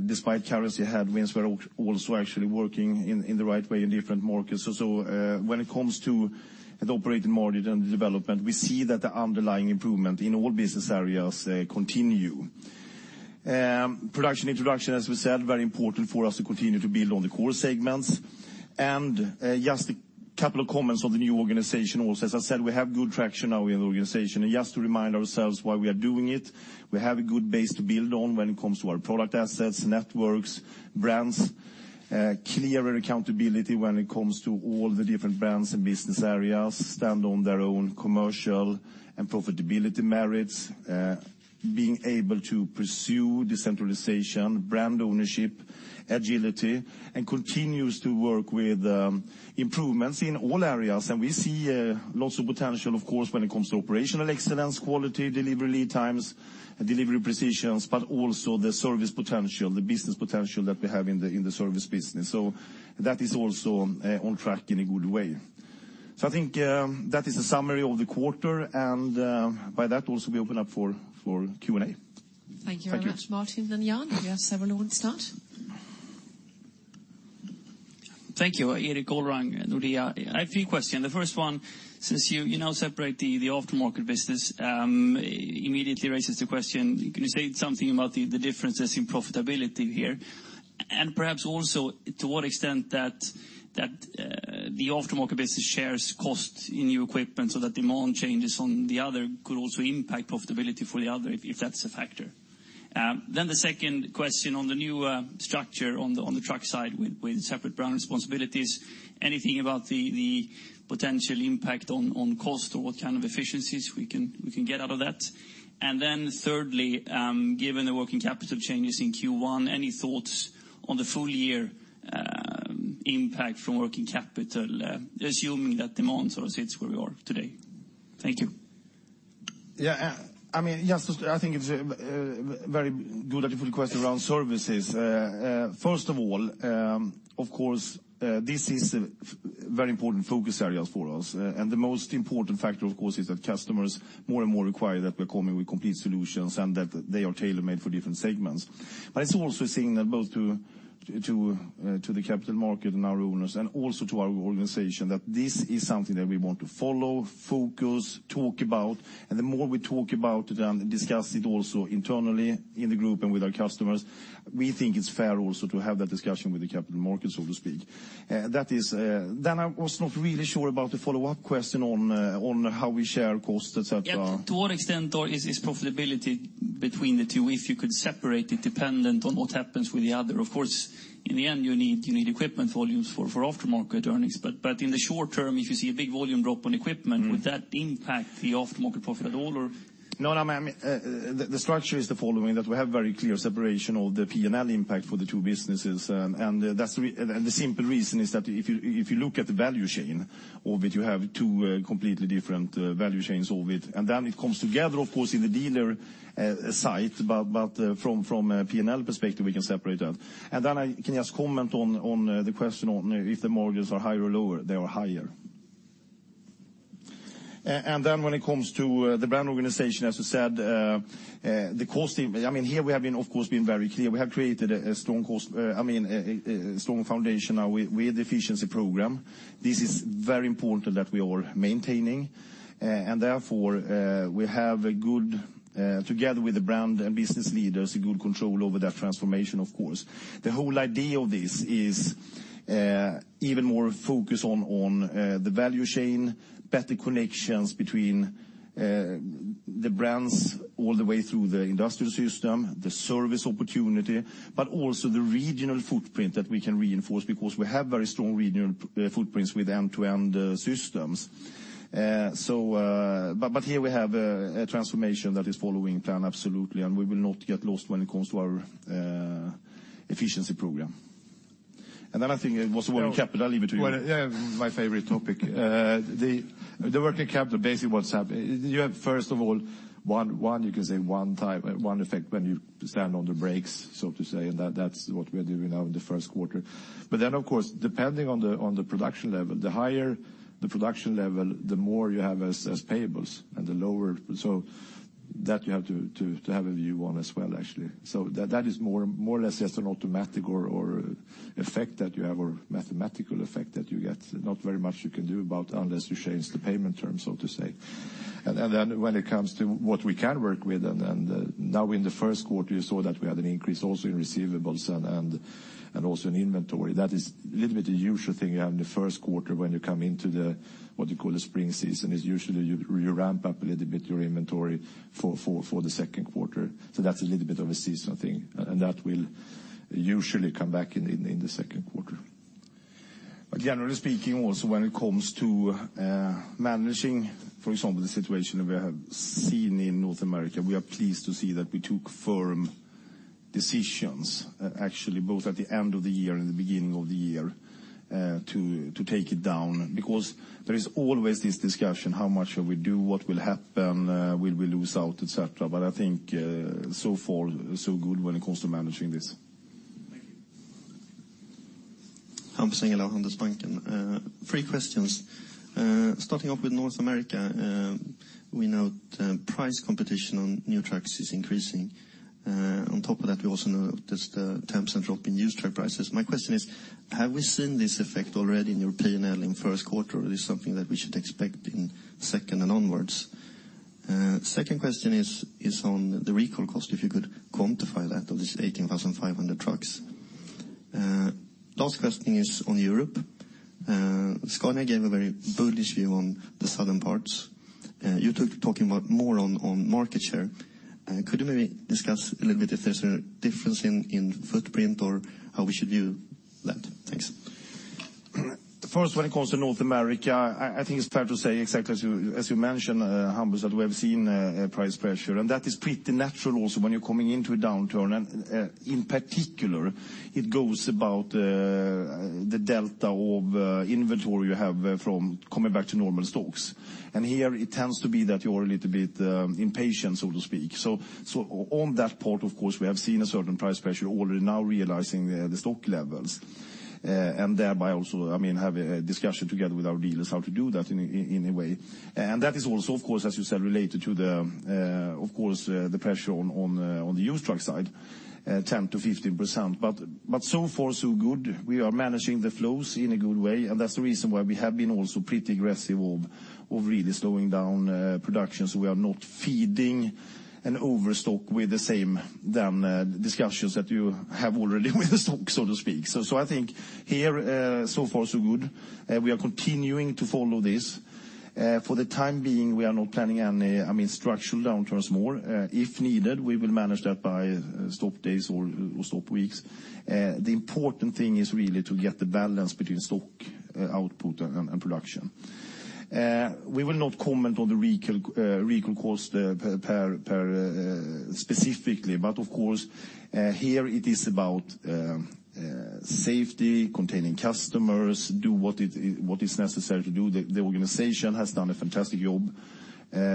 Despite currency headwinds, we're also actually working in the right way in different markets. When it comes to the operating margin and the development, we see that the underlying improvement in all business areas continue, production introduction, as we said, very important for us to continue to build on the core segments. Just a couple of comments on the new organization also. We have good traction now in the organization, and just to remind ourselves why we are doing it. We have a good base to build on when it comes to our product assets, networks, brands, clearer accountability when it comes to all the different brands and business areas stand on their own commercial profitability merits, being able to pursue decentralization, brand ownership, agility, and continues to work with improvements in all areas. We see lots of potential, of course, when it comes to operational excellence, quality, delivery lead times, delivery precisions, but also the service potential, the business potential that we have in the service business. That is also on track in a good way. I think that is a summary of the quarter, and by that also we open up for Q&A. Thank you very much, Martin and Jan. We have several. We'll start. Thank you. Erik Ekman, Nordea. I have three questions. The first one, since you now separate the aftermarket business, immediately raises the question, can you say something about the differences in profitability here? Perhaps also to what extent that the aftermarket business shares cost in new equipment, so that demand changes on the other could also impact profitability for the other, if that's a factor. The second question on the new structure on the truck side with separate brand responsibilities, anything about the potential impact on cost or what kind of efficiencies we can get out of that? Thirdly, given the working capital changes in Q1, any thoughts on the full year impact from working capital, assuming that demand sort of sits where we are today? Thank you. Yeah. I think it's a very good question around services. First of all, of course, this is a very important focus areas for us. The most important factor, of course, is that customers more and more require that we're coming with complete solutions and that they are tailor-made for different segments. It's also a signal both to the capital market and our owners and also to our organization, that this is something that we want to follow, focus, talk about. The more we talk about it and discuss it also internally in the group and with our customers, we think it's fair also to have that discussion with the capital markets, so to speak. I was not really sure about the follow-up question on how we share costs, et cetera. Yeah. To what extent, though, is profitability between the two, if you could separate it dependent on what happens with the other? Of course, in the end, you need equipment volumes for aftermarket earnings. In the short term, if you see a big volume drop on equipment- -would that impact the aftermarket profit at all or? No, no. The structure is the following, that we have very clear separation of the P&L impact for the two businesses. The simple reason is that if you look at the value chain of it, you have two completely different value chains of it. Then it comes together, of course, in the dealer side. From a P&L perspective, we can separate that. Then I can just comment on the question on if the margins are higher or lower, they are higher. Then when it comes to the brand organization, as you said, the cost. Here we have, of course, been very clear. We have created a strong cost, I mean, a strong foundation now with the efficiency program. This is very important that we are maintaining. Therefore, we have a good, together with the brand and business leaders, a good control over that transformation, of course. The whole idea of this is even more focus on the value chain, better connections between the brands all the way through the industrial system, the service opportunity, but also the regional footprint that we can reinforce because we have very strong regional footprints with end-to-end systems. Here we have a transformation that is following plan absolutely, and we will not get lost when it comes to our efficiency program. Then I think it was working capital. I'll leave it to you. Well, yeah, my favorite topic. The working capital, basically what's happened, you have first of all, one, you can say one type, one effect when you stand on the brakes, so to say, and that's what we are doing now in the first quarter. Of course, depending on the production level, the higher the production level, the more you have as payables, and the lower, so that you have to have a view on as well actually. That is more or less just an automatic or effect that you have or mathematical effect that you get. Not very much you can do about unless you change the payment term, so to say. When it comes to what we can work with, and now in the first quarter you saw that we had an increase also in receivables and also in inventory. That is a little bit a usual thing you have in the first quarter when you come into the, what you call the spring season, is usually you ramp up a little bit your inventory for the second quarter. That's a little bit of a seasonal thing, and that will usually come back in the second quarter. Generally speaking, also when it comes to managing, for example, the situation we have seen in North America, we are pleased to see that we took firm decisions, actually both at the end of the year and the beginning of the year, to take it down because there is always this discussion, how much should we do? What will happen? Will we lose out, et cetera? I think so far, so good when it comes to managing this. Thank you. Hampus Engellau, Handelsbanken. Three questions. Starting off with North America. We note price competition on new trucks is increasing. On top of that, we also note there's the terms and drop in used truck prices. My question is, have we seen this effect already in your P&L in first quarter, or is this something that we should expect in second and onwards? Second question is on the recall cost, if you could quantify that of this 18,500 trucks. Last question is on Europe. Scania gave a very bullish view on the southern parts. Talking about more on market share. Could you maybe discuss a little bit if there's a difference in footprint or how we should view that? Thanks. First, when it comes to North America, I think it's fair to say, exactly as you mentioned, Hampus, that we have seen price pressure, that is pretty natural also when you're coming into a downturn. In particular, it goes about the delta of inventory you have from coming back to normal stocks. Here it tends to be that you are a little bit impatient, so to speak. On that part, of course, we have seen a certain price pressure already now realizing the stock levels. Thereby also have a discussion together with our dealers how to do that in a way. That is also, of course, as you said, related to the pressure on the used truck side, 10%-15%. So far, so good. We are managing the flows in a good way, that's the reason why we have been also pretty aggressive of really slowing down production, so we are not feeding an overstock with the same discussions that you have already with the stock, so to speak. I think here, so far, so good. We are continuing to follow this. For the time being, we are not planning any structural downturns more. If needed, we will manage that by stop days or stop weeks. The important thing is really to get the balance between stock output and production. We will not comment on the recall cost per specifically. Of course, here it is about safety, containing customers, do what is necessary to do. The organization has done a fantastic job.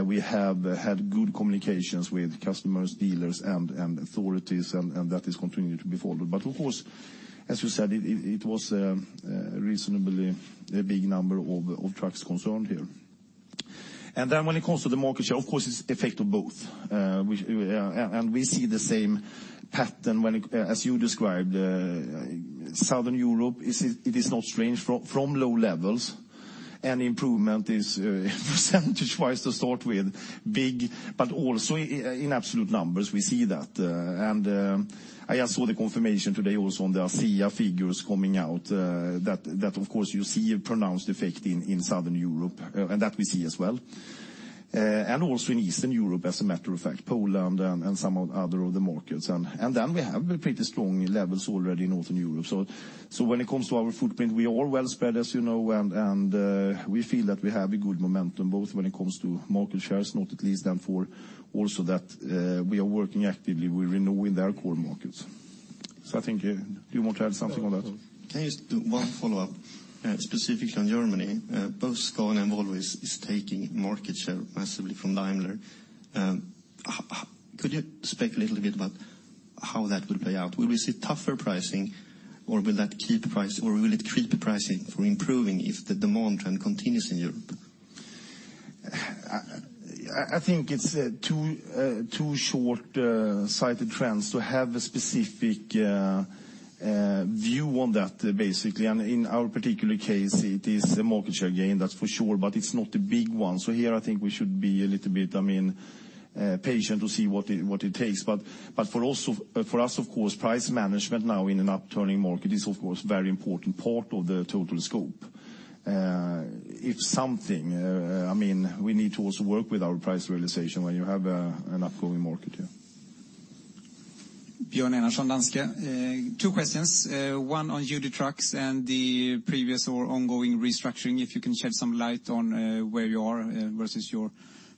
We have had good communications with customers, dealers, and authorities, that is continuing to be followed. Of course, as you said, it was a reasonably big number of trucks concerned here. When it comes to the market share, of course, it's effect of both. We see the same pattern as you described. Southern Europe, it is not strange from low levels. Any improvement is percentage wise to start with, big, but also in absolute numbers, we see that. I just saw the confirmation today also on the ACEA figures coming out, that of course you see a pronounced effect in Southern Europe, that we see as well. Also in Eastern Europe, as a matter of fact, Poland and some other of the markets. Then we have pretty strong levels already in Northern Europe. When it comes to our footprint, we are well spread, as you know, we feel that we have a good momentum, both when it comes to market shares, not at least, for also that we are working actively with renewing their core markets. I think, do you want to add something on that? Can I ask one follow-up, specifically on Germany? Both Scania and Volvo is taking market share massively from Daimler. Could you speak a little bit about how that will play out? Will we see tougher pricing, or will it keep pricing, or will it keep pricing from improving if the demand trend continues in Europe? I think it's too short-sighted trends to have a specific view on that, basically. In our particular case, it is a market share gain, that's for sure, but it's not a big one. Here I think we should be a little bit patient to see what it takes. For us, of course, price management now in an upturning market is of course a very important part of the total scope. If something, we need to also work with our price realization when you have an upcoming market, yeah. Björn Enarson, Danske. Two questions, one on UD Trucks and the previous or ongoing restructuring, if you can shed some light on where you are versus your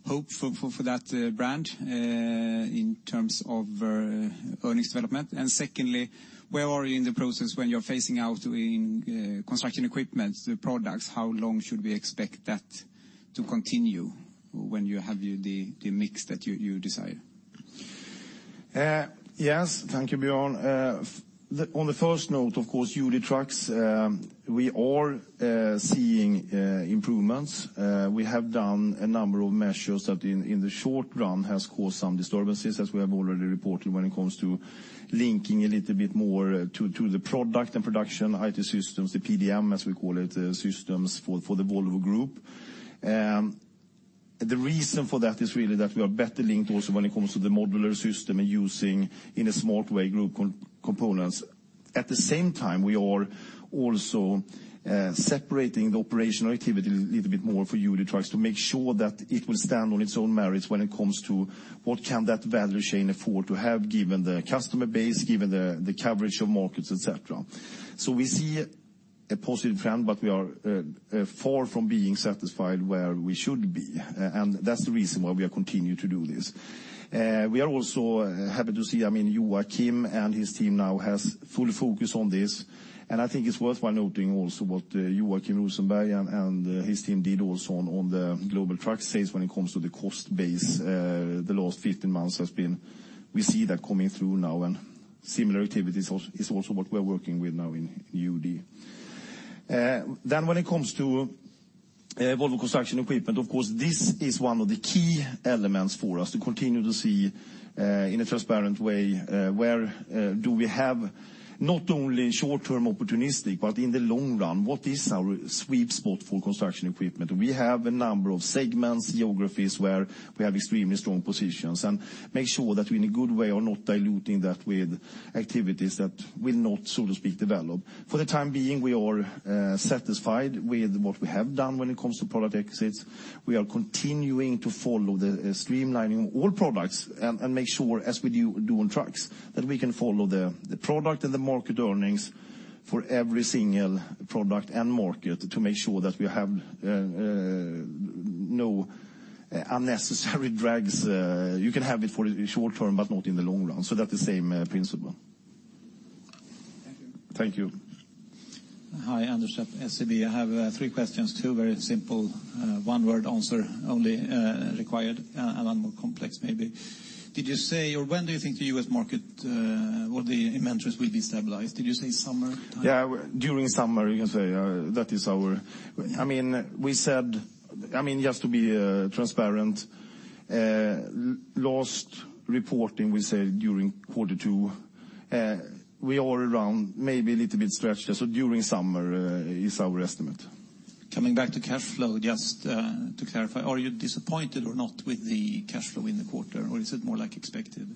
hope for that brand in terms of earnings development. Secondly, where are you in the process when you're phasing out in construction equipment products? How long should we expect that to continue when you have the mix that you desire? Yes. Thank you, Björn. On the first note, of course, UD Trucks, we are seeing improvements. We have done a number of measures that in the short run has caused some disturbances, as we have already reported when it comes to linking a little bit more to the product and production IT systems, the PDM, as we call it, systems for the Volvo Group. The reason for that is really that we are better linked also when it comes to the modular system and using, in a smart way, group components. At the same time, we are also separating the operational activity a little bit more for UD Trucks to make sure that it will stand on its own merits when it comes to what can that value chain afford to have given the customer base, given the coverage of markets, et cetera. We see a positive trend, we are far from being satisfied where we should be. That's the reason why we are continuing to do this. We are also happy to see Joakim and his team now has full focus on this. I think it's worthwhile noting also what Joakim Rosenberg and his team did also on the global truck sales when it comes to the cost base. The last 15 months, we see that coming through now, and similar activities is also what we're working with now in UD. When it comes to Volvo Construction Equipment, of course, this is one of the key elements for us to continue to see, in a transparent way, where do we have not only short-term opportunistic, but in the long run, what is our sweet spot for construction equipment? We have a number of segments, geographies, where we have extremely strong positions, make sure that we in a good way are not diluting that with activities that will not, so to speak, develop. For the time being, we are satisfied with what we have done when it comes to product exits. We are continuing to follow the streamlining of all products and make sure, as we do on trucks, that we can follow the product and the market earnings for every single product and market to make sure that we have no unnecessary drags. You can have it for the short term, but not in the long run. That's the same principle. Thank you. Thank you. Hi, Anders at SEB. I have three questions. Two very simple one-word answer only required, and one more complex maybe. Did you say, or when do you think the U.S. market, all the inventories will be stabilized? Did you say summer time? Yeah, during summer, you can say. Just to be transparent, last reporting we said during quarter two. We are around maybe a little bit stretched. During summer is our estimate. Coming back to cash flow, just to clarify, are you disappointed or not with the cash flow in the quarter, or is it more like expected?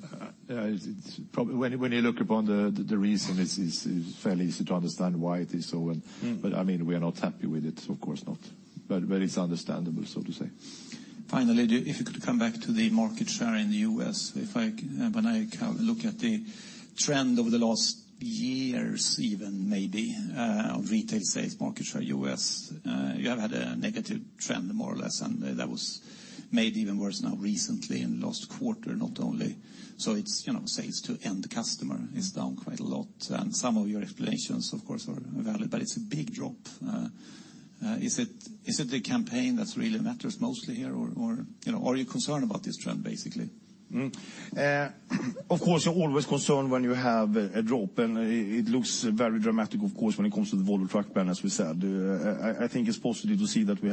When you look upon the reason, it's fairly easy to understand why it is so. We are not happy with it, of course not. It's understandable, so to say. Finally, if you could come back to the market share in the U.S. When I look at the trend over the last years even maybe, of retail sales market share U.S., you have had a negative trend more or less. That was made even worse now recently in the last quarter not only. Sales to end customer is down quite a lot, and some of your explanations of course are valid, but it's a big drop. Is it the campaign that really matters mostly here, or are you concerned about this trend basically? Of course, you're always concerned when you have a drop, and it looks very dramatic of course when it comes to the Volvo Truck brand, as we said. I think it's positive to see that we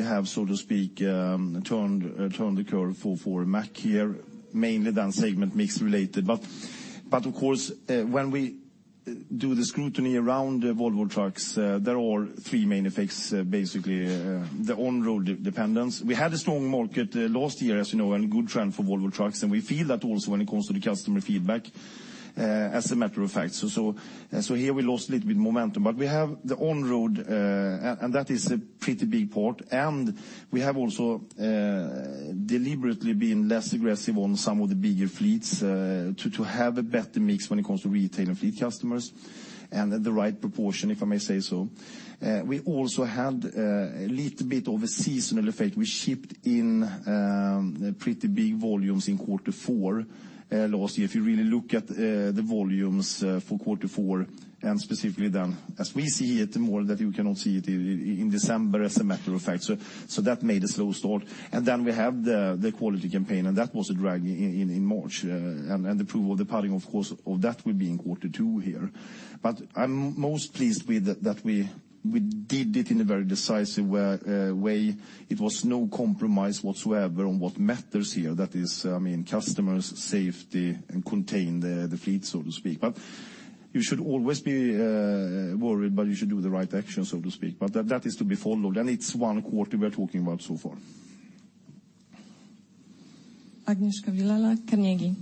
have, so to speak, turned the curve for Mack here mainly down segment mix related. Of course, when we do the scrutiny around Volvo Trucks, there are three main effects, basically, the on-road dependence. We had a strong market last year, as you know, and good trend for Volvo Trucks, and we feel that also when it comes to the customer feedback, as a matter of fact. Here we lost a little bit of momentum. We have the on-road, and that is a pretty big part, and we have also deliberately been less aggressive on some of the bigger fleets to have a better mix when it comes to retail and fleet customers, and at the right proportion, if I may say so. We also had a little bit of a seasonal effect. We shipped in pretty big volumes in quarter four last year. If you really look at the volumes for quarter four and specifically then, as we see it more that you cannot see it in December as a matter of fact. That made a slow start. Then we have the quality campaign, and that was a drag in March. The proof of the pudding, of course, all that will be in quarter two here. I'm most pleased with that we did it in a very decisive way. It was no compromise whatsoever on what matters here. That is customers, safety, and contain the fleet, so to speak. You should always be worried, but you should do the right action, so to speak. That is to be followed, and it's one quarter we are talking about so far. Agnieszka Vilela, Carnegie.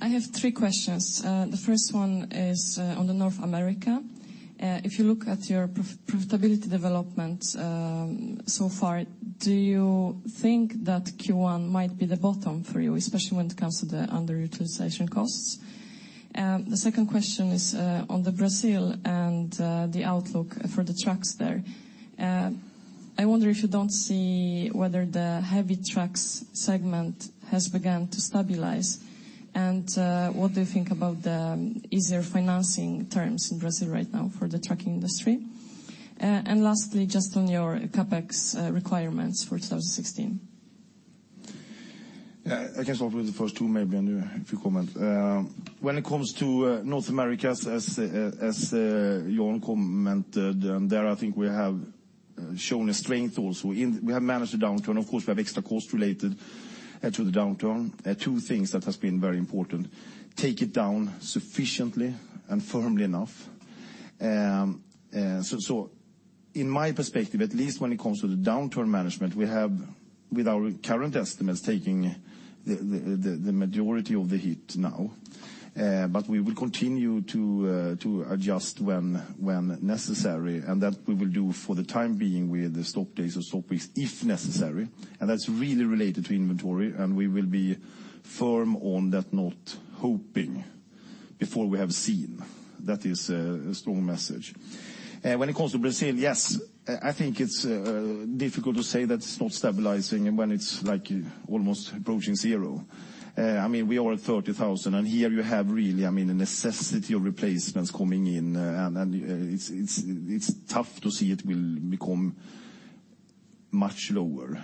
I have three questions. The first one is on North America. If you look at your profitability development so far, do you think that Q1 might be the bottom for you, especially when it comes to the underutilization costs? The second question is on Brazil and the outlook for the trucks there. I wonder if you don't see whether the heavy trucks segment has begun to stabilize, and what do you think about the easier financing terms in Brazil right now for the trucking industry? Lastly, just on your CapEx requirements for 2016. I can start with the first two maybe, and you have your comment. When it comes to North America, as Jan commented, there I think we have shown a strength also. We have managed the downturn. Of course, we have extra costs related to the downturn. Two things that have been very important, take it down sufficiently and firmly enough. In my perspective, at least when it comes to the downturn management, we have with our current estimates taking the majority of the hit now. We will continue to adjust when necessary, and that we will do for the time being with the stop days or stop weeks if necessary. That's really related to inventory, and we will be firm on that, not hoping before we have seen. That is a strong message. When it comes to Brazil, yes, I think it's difficult to say that it's not stabilizing when it's almost approaching zero. We are at 30,000, and here you have really a necessity of replacements coming in, and it's tough to see it will become much lower.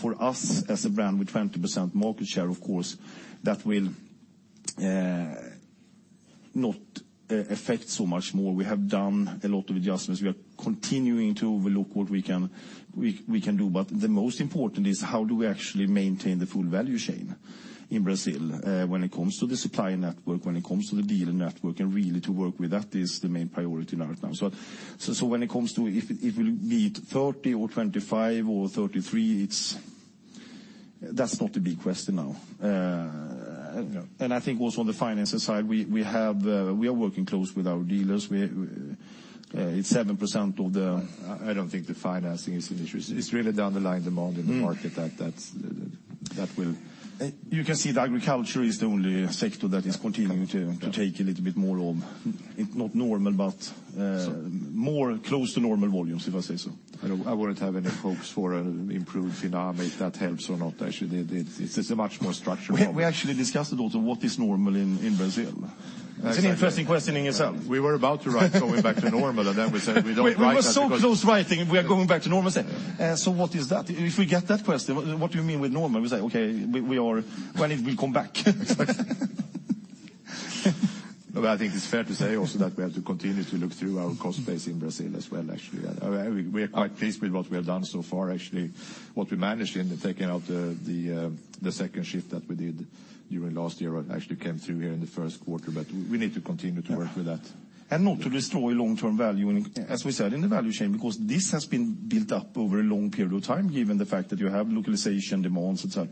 For us as a brand with 20% market share, of course, that will not affect so much more. We have done a lot of adjustments. We are continuing to overlook what we can do, but the most important is how do we actually maintain the full value chain in Brazil when it comes to the supply network, when it comes to the dealer network, and really to work with that is the main priority right now. When it comes to if it will be 30 or 25 or 33, that's not a big question now. No. I think also on the finances side, we are working closely with our dealers. I don't think the financing is an issue. It's really the underlying demand in the market. You can see that agriculture is the only sector that is continuing to take a little bit more of, not normal, but more close to normal volumes, if I say so. I wouldn't have any hopes for an improved economy, if that helps or not. Actually, this is a much more structural problem. We actually discussed a lot on what is normal in Brazil. It's an interesting question in itself. We were about to write going back to normal, we said, we don't write that because. We were so close to writing, we are going back to normal. What is that? If we get that question, what do you mean with normal? When it will come back. Exactly. I think it's fair to say also that we have to continue to look through our cost base in Brazil as well, actually. We are quite pleased with what we have done so far, actually. What we managed in taking out the second shift that we did during last year actually came through here in the first quarter. We need to continue to work with that. Not to destroy long-term value, as we said, in the value chain, because this has been built up over a long period of time, given the fact that you have localization demands, et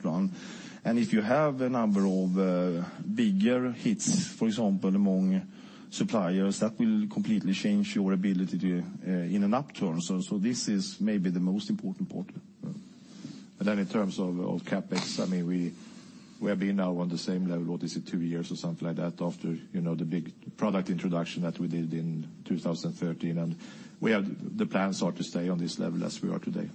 cetera. If you have a number of bigger hits, for example, among suppliers, that will completely change your ability to in an upturn. This is maybe the most important part. In terms of CapEx, we have been now on the same level, what is it, two years or something like that after the big product introduction that we did in 2013. The plans are to stay on this level as we are today.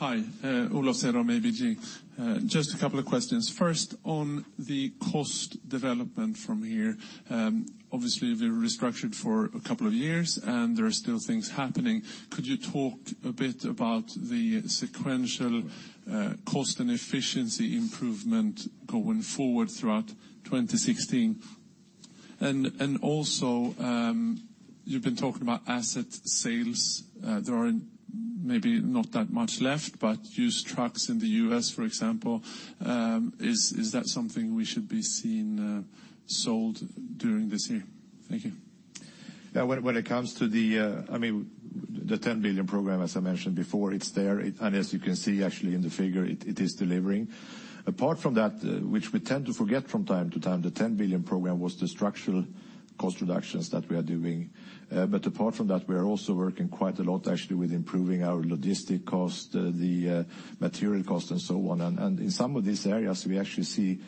Yeah. Hi. Olof Cederholm from ABG. Just a couple of questions. First, on the cost development from here. Obviously, we restructured for a couple of years, and there are still things happening. Could you talk a bit about the sequential cost and efficiency improvement going forward throughout 2016? Also, you've been talking about asset sales. There are maybe not that much left, but used trucks in the U.S., for example. Is that something we should be seeing sold during this year? Thank you. Yeah. When it comes to the $10 billion Program, as I mentioned before, it's there, as you can see actually in the figure, it is delivering. Apart from that, which we tend to forget from time to time, the $10 billion Program was the structural cost reductions that we are doing. Apart from that, we are also working quite a lot, actually, with improving our logistic cost, the material cost, and so on. In some of these areas, we actually see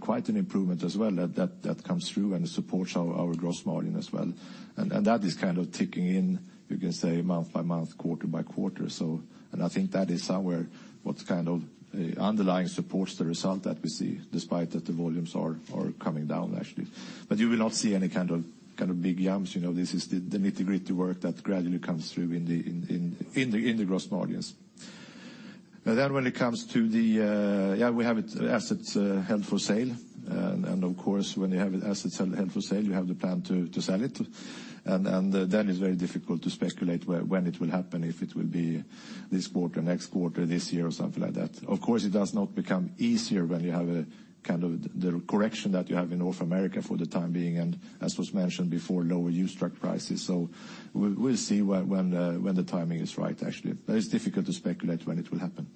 quite an improvement as well that comes through and supports our gross margin as well. That is kind of ticking in, you can say, month by month, quarter by quarter. I think that is somewhere what kind of underlying supports the result that we see, despite that the volumes are coming down, actually. You will not see any kind of big jumps. This is the nitty-gritty work that gradually comes through in the gross margins. When it comes to the Yeah, we have assets held for sale, and of course, when you have assets held for sale, you have the plan to sell it. That is very difficult to speculate when it will happen, if it will be this quarter, next quarter, this year, or something like that. Of course, it does not become easier when you have the correction that you have in North America for the time being, and as was mentioned before, lower used truck prices. We'll see when the timing is right, actually. It's difficult to speculate when it will happen.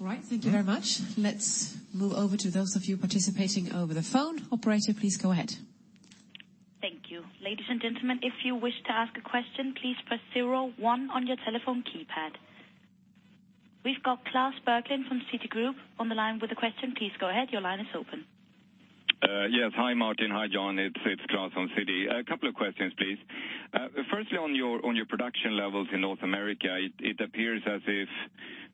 All right. Thank you very much. Let's move over to those of you participating over the phone. Operator, please go ahead. Thank you. Ladies and gentlemen, if you wish to ask a question, please press 01 on your telephone keypad. We've got Klas Bergelind from Citigroup on the line with a question. Please go ahead. Your line is open. Yes. Hi, Martin. Hi, Jan. It's Klas from Citi. A couple of questions, please. Firstly, on your production levels in North America, it appears as if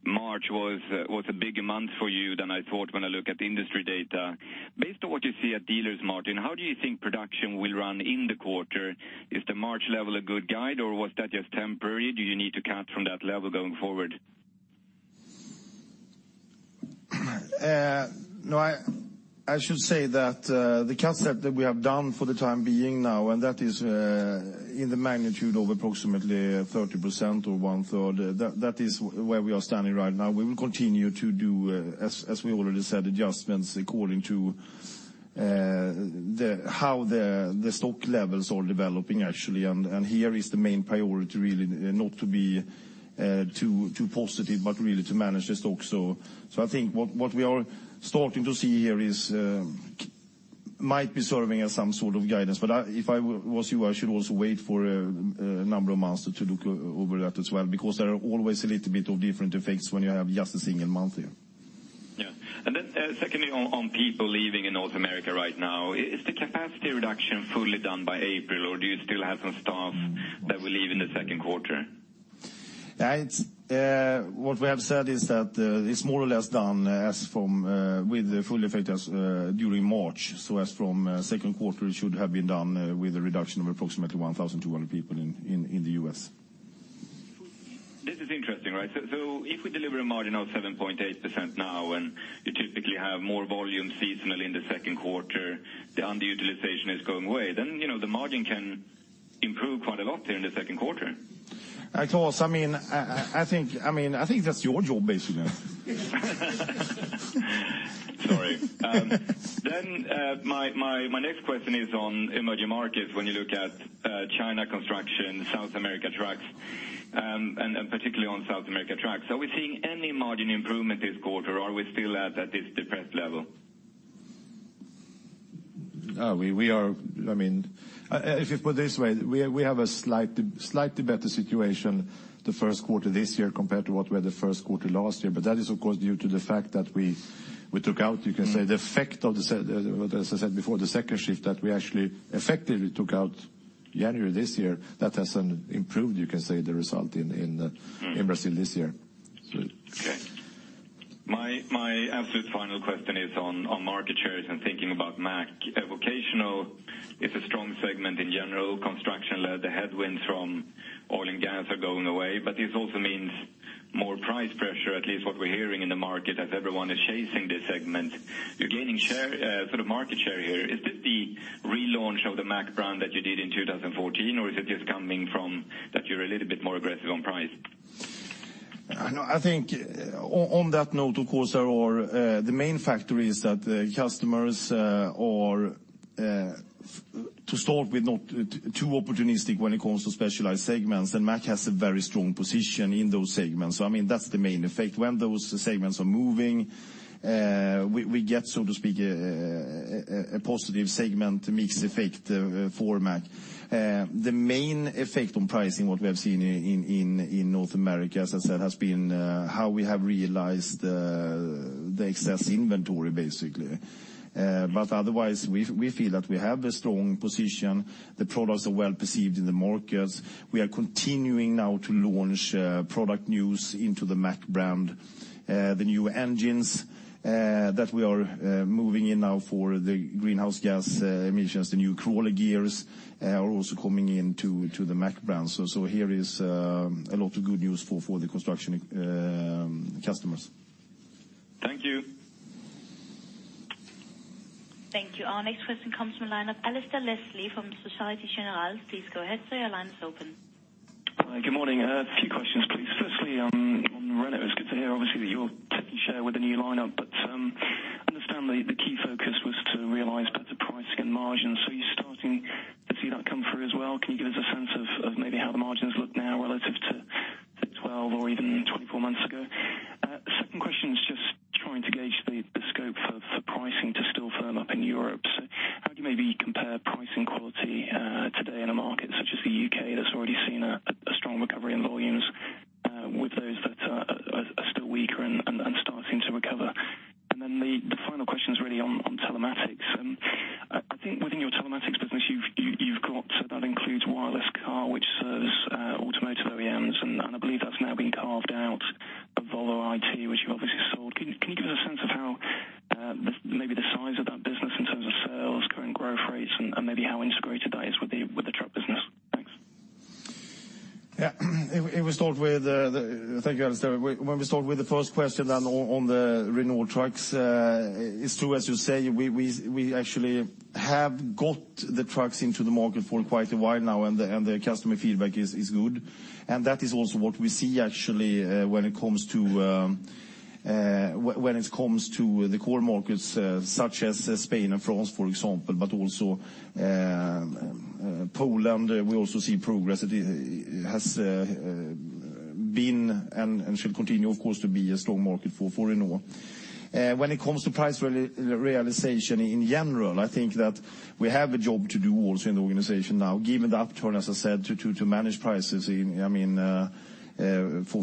March was a bigger month for you than I thought when I look at industry data. Based on what you see at dealers, Martin, how do you think production will run in the quarter? Is the March level a good guide, or was that just temporary? Do you need to cut from that level going forward? No, I should say that the cuts that we have done for the time being now, that is in the magnitude of approximately 30% or one-third, that is where we are standing right now. We will continue to do, as we already said, adjustments according to how the stock levels are developing, actually. Here is the main priority, really, not to be too positive, but really to manage the stock. I think what we are starting to see here might be serving as some sort of guidance. If I was you, I should also wait for a number of months to look over that as well, because there are always a little bit of different effects when you have just a single month here. Yeah. Secondly, on people leaving in North America right now, is the capacity reduction fully done by April, or do you still have some staff that will leave in the second quarter? What we have said is that it's more or less done with the full effect during March. As from second quarter, it should have been done with a reduction of approximately 1,200 people in the U.S. This is interesting. If we deliver a margin of 7.8% now, and you typically have more volume seasonally in the second quarter, the underutilization is going away, then the margin can improve quite a lot here in the second quarter. Klas, I think that's your job, basically. Sorry. My next question is on emerging markets. When you look at China construction, South America trucks, and particularly on South America trucks, are we seeing any margin improvement this quarter, or are we still at this depressed level? If you put it this way, we have a slightly better situation the first quarter this year compared to what we had the first quarter last year. That is, of course, due to the fact that we took out, you can say, the effect of the, as I said before, the second shift that we actually effectively took out January this year. That has then improved, you can say, the result in Brazil this year. Okay. My absolute final question is on market shares and thinking about Mack. Vocational is a strong segment in general. Construction led the headwinds from oil and gas are going away, this also means more price pressure, at least what we're hearing in the market, as everyone is chasing this segment. You're gaining market share here. Is this the relaunch of the Mack brand that you did in 2014? Or is it just coming from that you're a little bit more aggressive on price? I think on that note, of course, the main factor is that the customers are, to start with, not too opportunistic when it comes to specialized segments, Mack has a very strong position in those segments. That's the main effect. When those segments are moving, we get, so to speak, a positive segment mix effect for Mack. The main effect on pricing, what we have seen in North America, as I said, has been how we have realized the excess inventory, basically. Otherwise, we feel that we have a strong position. The products are well-perceived in the markets. We are continuing now to launch product news into the Mack brand. The new engines that we are moving in now for the greenhouse gas emissions, the new crawler gears are also coming into the Mack brand. Here is a lot of good news for the construction customers. Thank you. Thank you. Our next question comes from the line of Alistair Leslie from Societe Generale. Please go ahead, sir. Your line is open. Good morning. A few questions, please. Firstly on Renault, it's good to hear, obviously, that you're taking share with the new lineup, but I understand the key focus was to realize better pricing and margins. You're starting to see that come through as well? Can you give us a sense of maybe how the margins look now relative to 12 or even 24 months ago? Second question is just been and should continue, of course, to be a strong market for Renault. It comes to price realization in general, I think that we have a job to do also in the organization now, given the upturn, as I said, to manage prices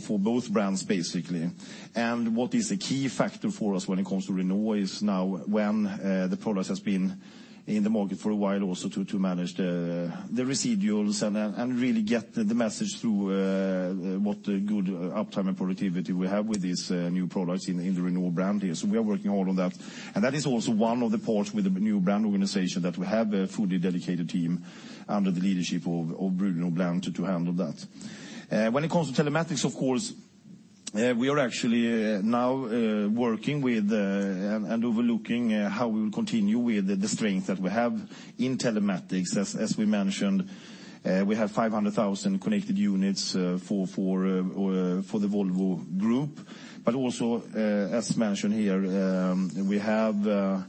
for both brands, basically. What is a key factor for us when it comes to Renault is now when the product has been in the market for a while, also to manage the residuals and really get the message through what good uptime and productivity we have with these new products in the Renault brand here. We are working all of that. That is also one of the parts with the new brand organization that we have a fully dedicated team under the leadership of Bruno Blin to handle that. When it comes to telematics, of course, we are actually now working with and overlooking how we will continue with the strength that we have in telematics. As we mentioned, we have 500,000 connected units for the Volvo Group. Also, as mentioned here, we have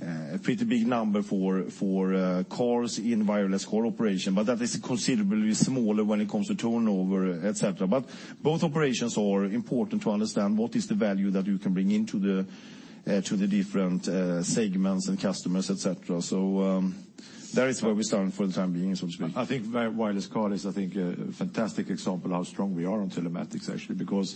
a pretty big number for cars in WirelessCar operation, that is considerably smaller when it comes to turnover, et cetera. Both operations are important to understand what is the value that you can bring into the different segments and customers, et cetera. That is where we stand for the time being, so to speak. I think WirelessCar is, I think, a fantastic example how strong we are on telematics, actually, because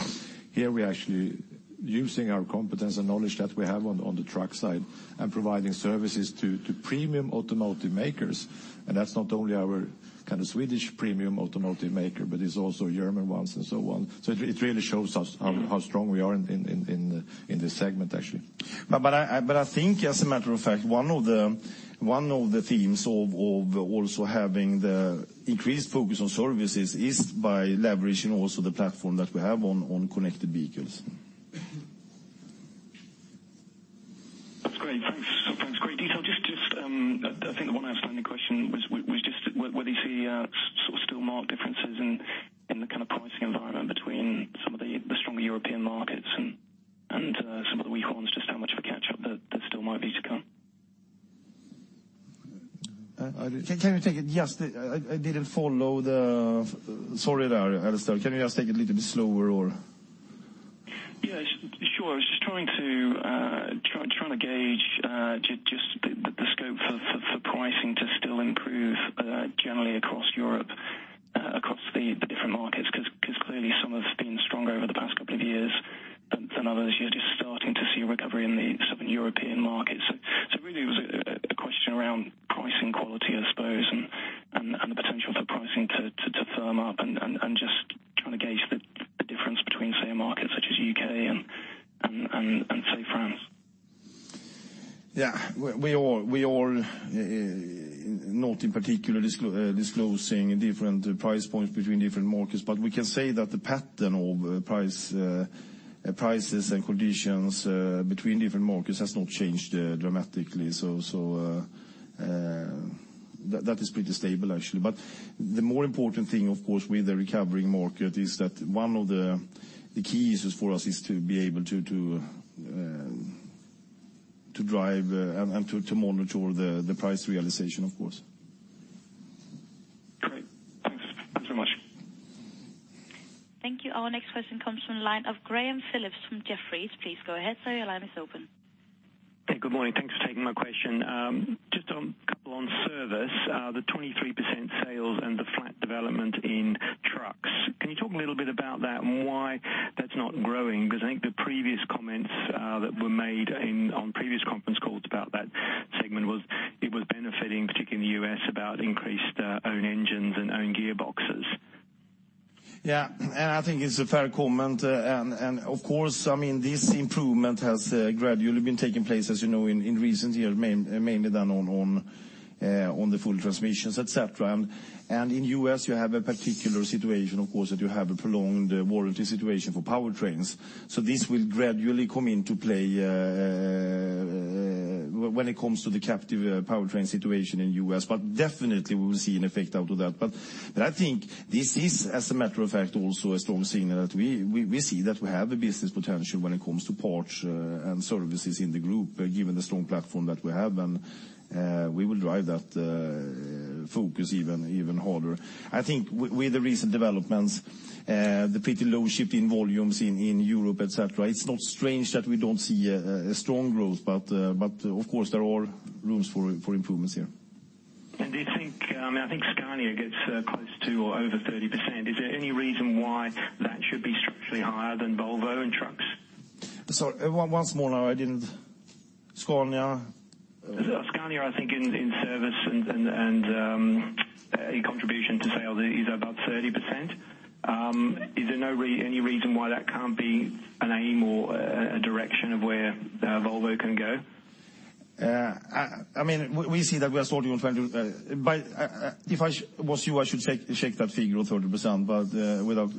here we are actually using our competence and knowledge that we have on the truck side and providing services to premium automotive makers. That's not only our kind of Swedish premium automotive maker, but it's also German ones and so on. It really shows us how strong we are in this segment, actually. I think, as a matter of fact, one of the themes of also having the increased focus on services is by leveraging also the platform that we have on connected vehicles. That's great. Thanks. Great detail. I think the one outstanding question was just whether you see sort of still marked differences in the kind of pricing environment between some of the stronger European markets and some of the weak ones, just how much of a catch-up there still might be to come? Can you take it? I didn't follow. Sorry there, Alistair. Can you just take it a little bit slower? Yeah, sure. I was just trying to gauge just the scope for pricing to still improve generally across Europe, across the different markets, because clearly some have been stronger over the past couple of years than others. You're just starting to see recovery in the Southern European markets. Really it was a question around pricing quality, I suppose, and the potential for pricing to firm up, and just trying to gauge the difference between, say, a market such as U.K. and, say, France. Yeah. We are not in particular disclosing different price points between different markets, but we can say that the pattern of prices and conditions between different markets has not changed dramatically. That is pretty stable, actually. The more important thing, of course, with the recovering market is that one of the keys for us is to be able to drive and to monitor the price realization, of course. Great. Thanks so much. Thank you. Our next question comes from the line of Graham Phillips from Jefferies. Please go ahead. Sir, your line is open. Hey, good morning. Thanks for taking my question. Just a couple on service, the 23% sales and the flat development in trucks. Can you talk a little bit about that and why that's not growing? Because I think the previous comments that were made on previous conference calls about that segment was it was benefiting, particularly in the U.S., about increased own engines and own gearboxes. Yeah. I think it's a fair comment. Of course, this improvement has gradually been taking place, as you know, in recent years, mainly done on the full transmissions, et cetera. In U.S., you have a particular situation, of course, that you have a prolonged warranty situation for powertrains. This will gradually come into play when it comes to the captive powertrain situation in U.S., but definitely we will see an effect out of that. I think this is, as a matter of fact, also a strong signal that we see that we have a business potential when it comes to parts and services in the group, given the strong platform that we have, and we will drive that focus even harder. I think with the recent developments, the pretty low shipping volumes in Europe, et cetera, it's not strange that we don't see a strong growth. Of course, there are rooms for improvements here. Do you think, I think Scania gets close to or over 30%. Is there any reason why that should be structurally higher than Volvo in trucks? Sorry, once more now, Scania? Scania, I think in service and a contribution to sales is about 30%. Is there any reason why that can't be an aim or a direction of where Volvo can go? We see that we are starting on 20, but if I was you, I should check that figure of 30%, but without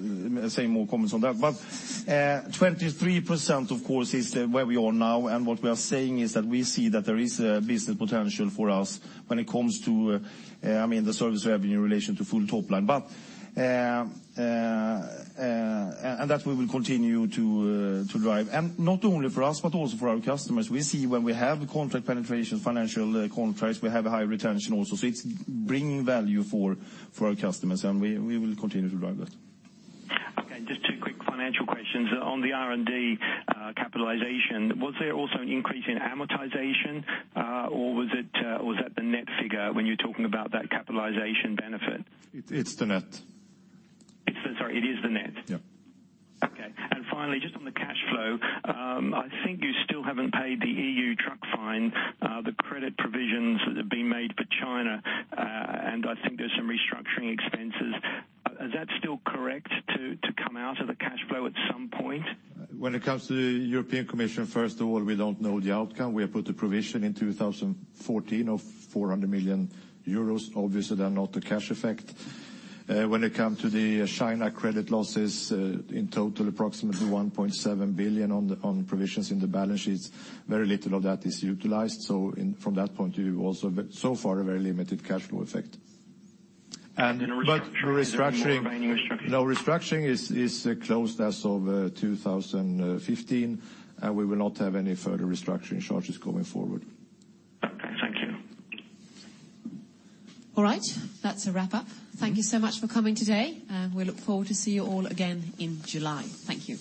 saying more comments on that. 23%, of course, is where we are now, and what we are saying is that we see that there is a business potential for us when it comes to the service revenue in relation to full top line. That we will continue to drive. Not only for us, but also for our customers. We see when we have contract penetration, financial contracts, we have a high retention also. It's bringing value for our customers, and we will continue to drive that. Okay, just two quick financial questions. On the R&D capitalization, was there also an increase in amortization? Or was that the net figure when you're talking about that capitalization benefit? It's the net. Sorry, it is the net? Yeah. Okay. Finally, just on the cash flow, I think you still haven't paid the EU truck fine, the credit provisions that have been made for China, and I think there's some restructuring expenses. Is that still correct to come out of the cash flow at some point? When it comes to the European Commission, first of all, we don't know the outcome. We have put a provision in 2014 of 400 million euros. Obviously, they are not a cash effect. When it comes to the China credit losses, in total approximately 1.7 billion on provisions in the balance sheets. Very little of that is utilized. From that point of view, also so far, a very limited cash flow effect. The restructuring, any more? No, restructuring is closed as over 2015. We will not have any further restructuring charges going forward. Okay, thank you. All right. That's a wrap up. Thank you so much for coming today, and we look forward to see you all again in July. Thank you.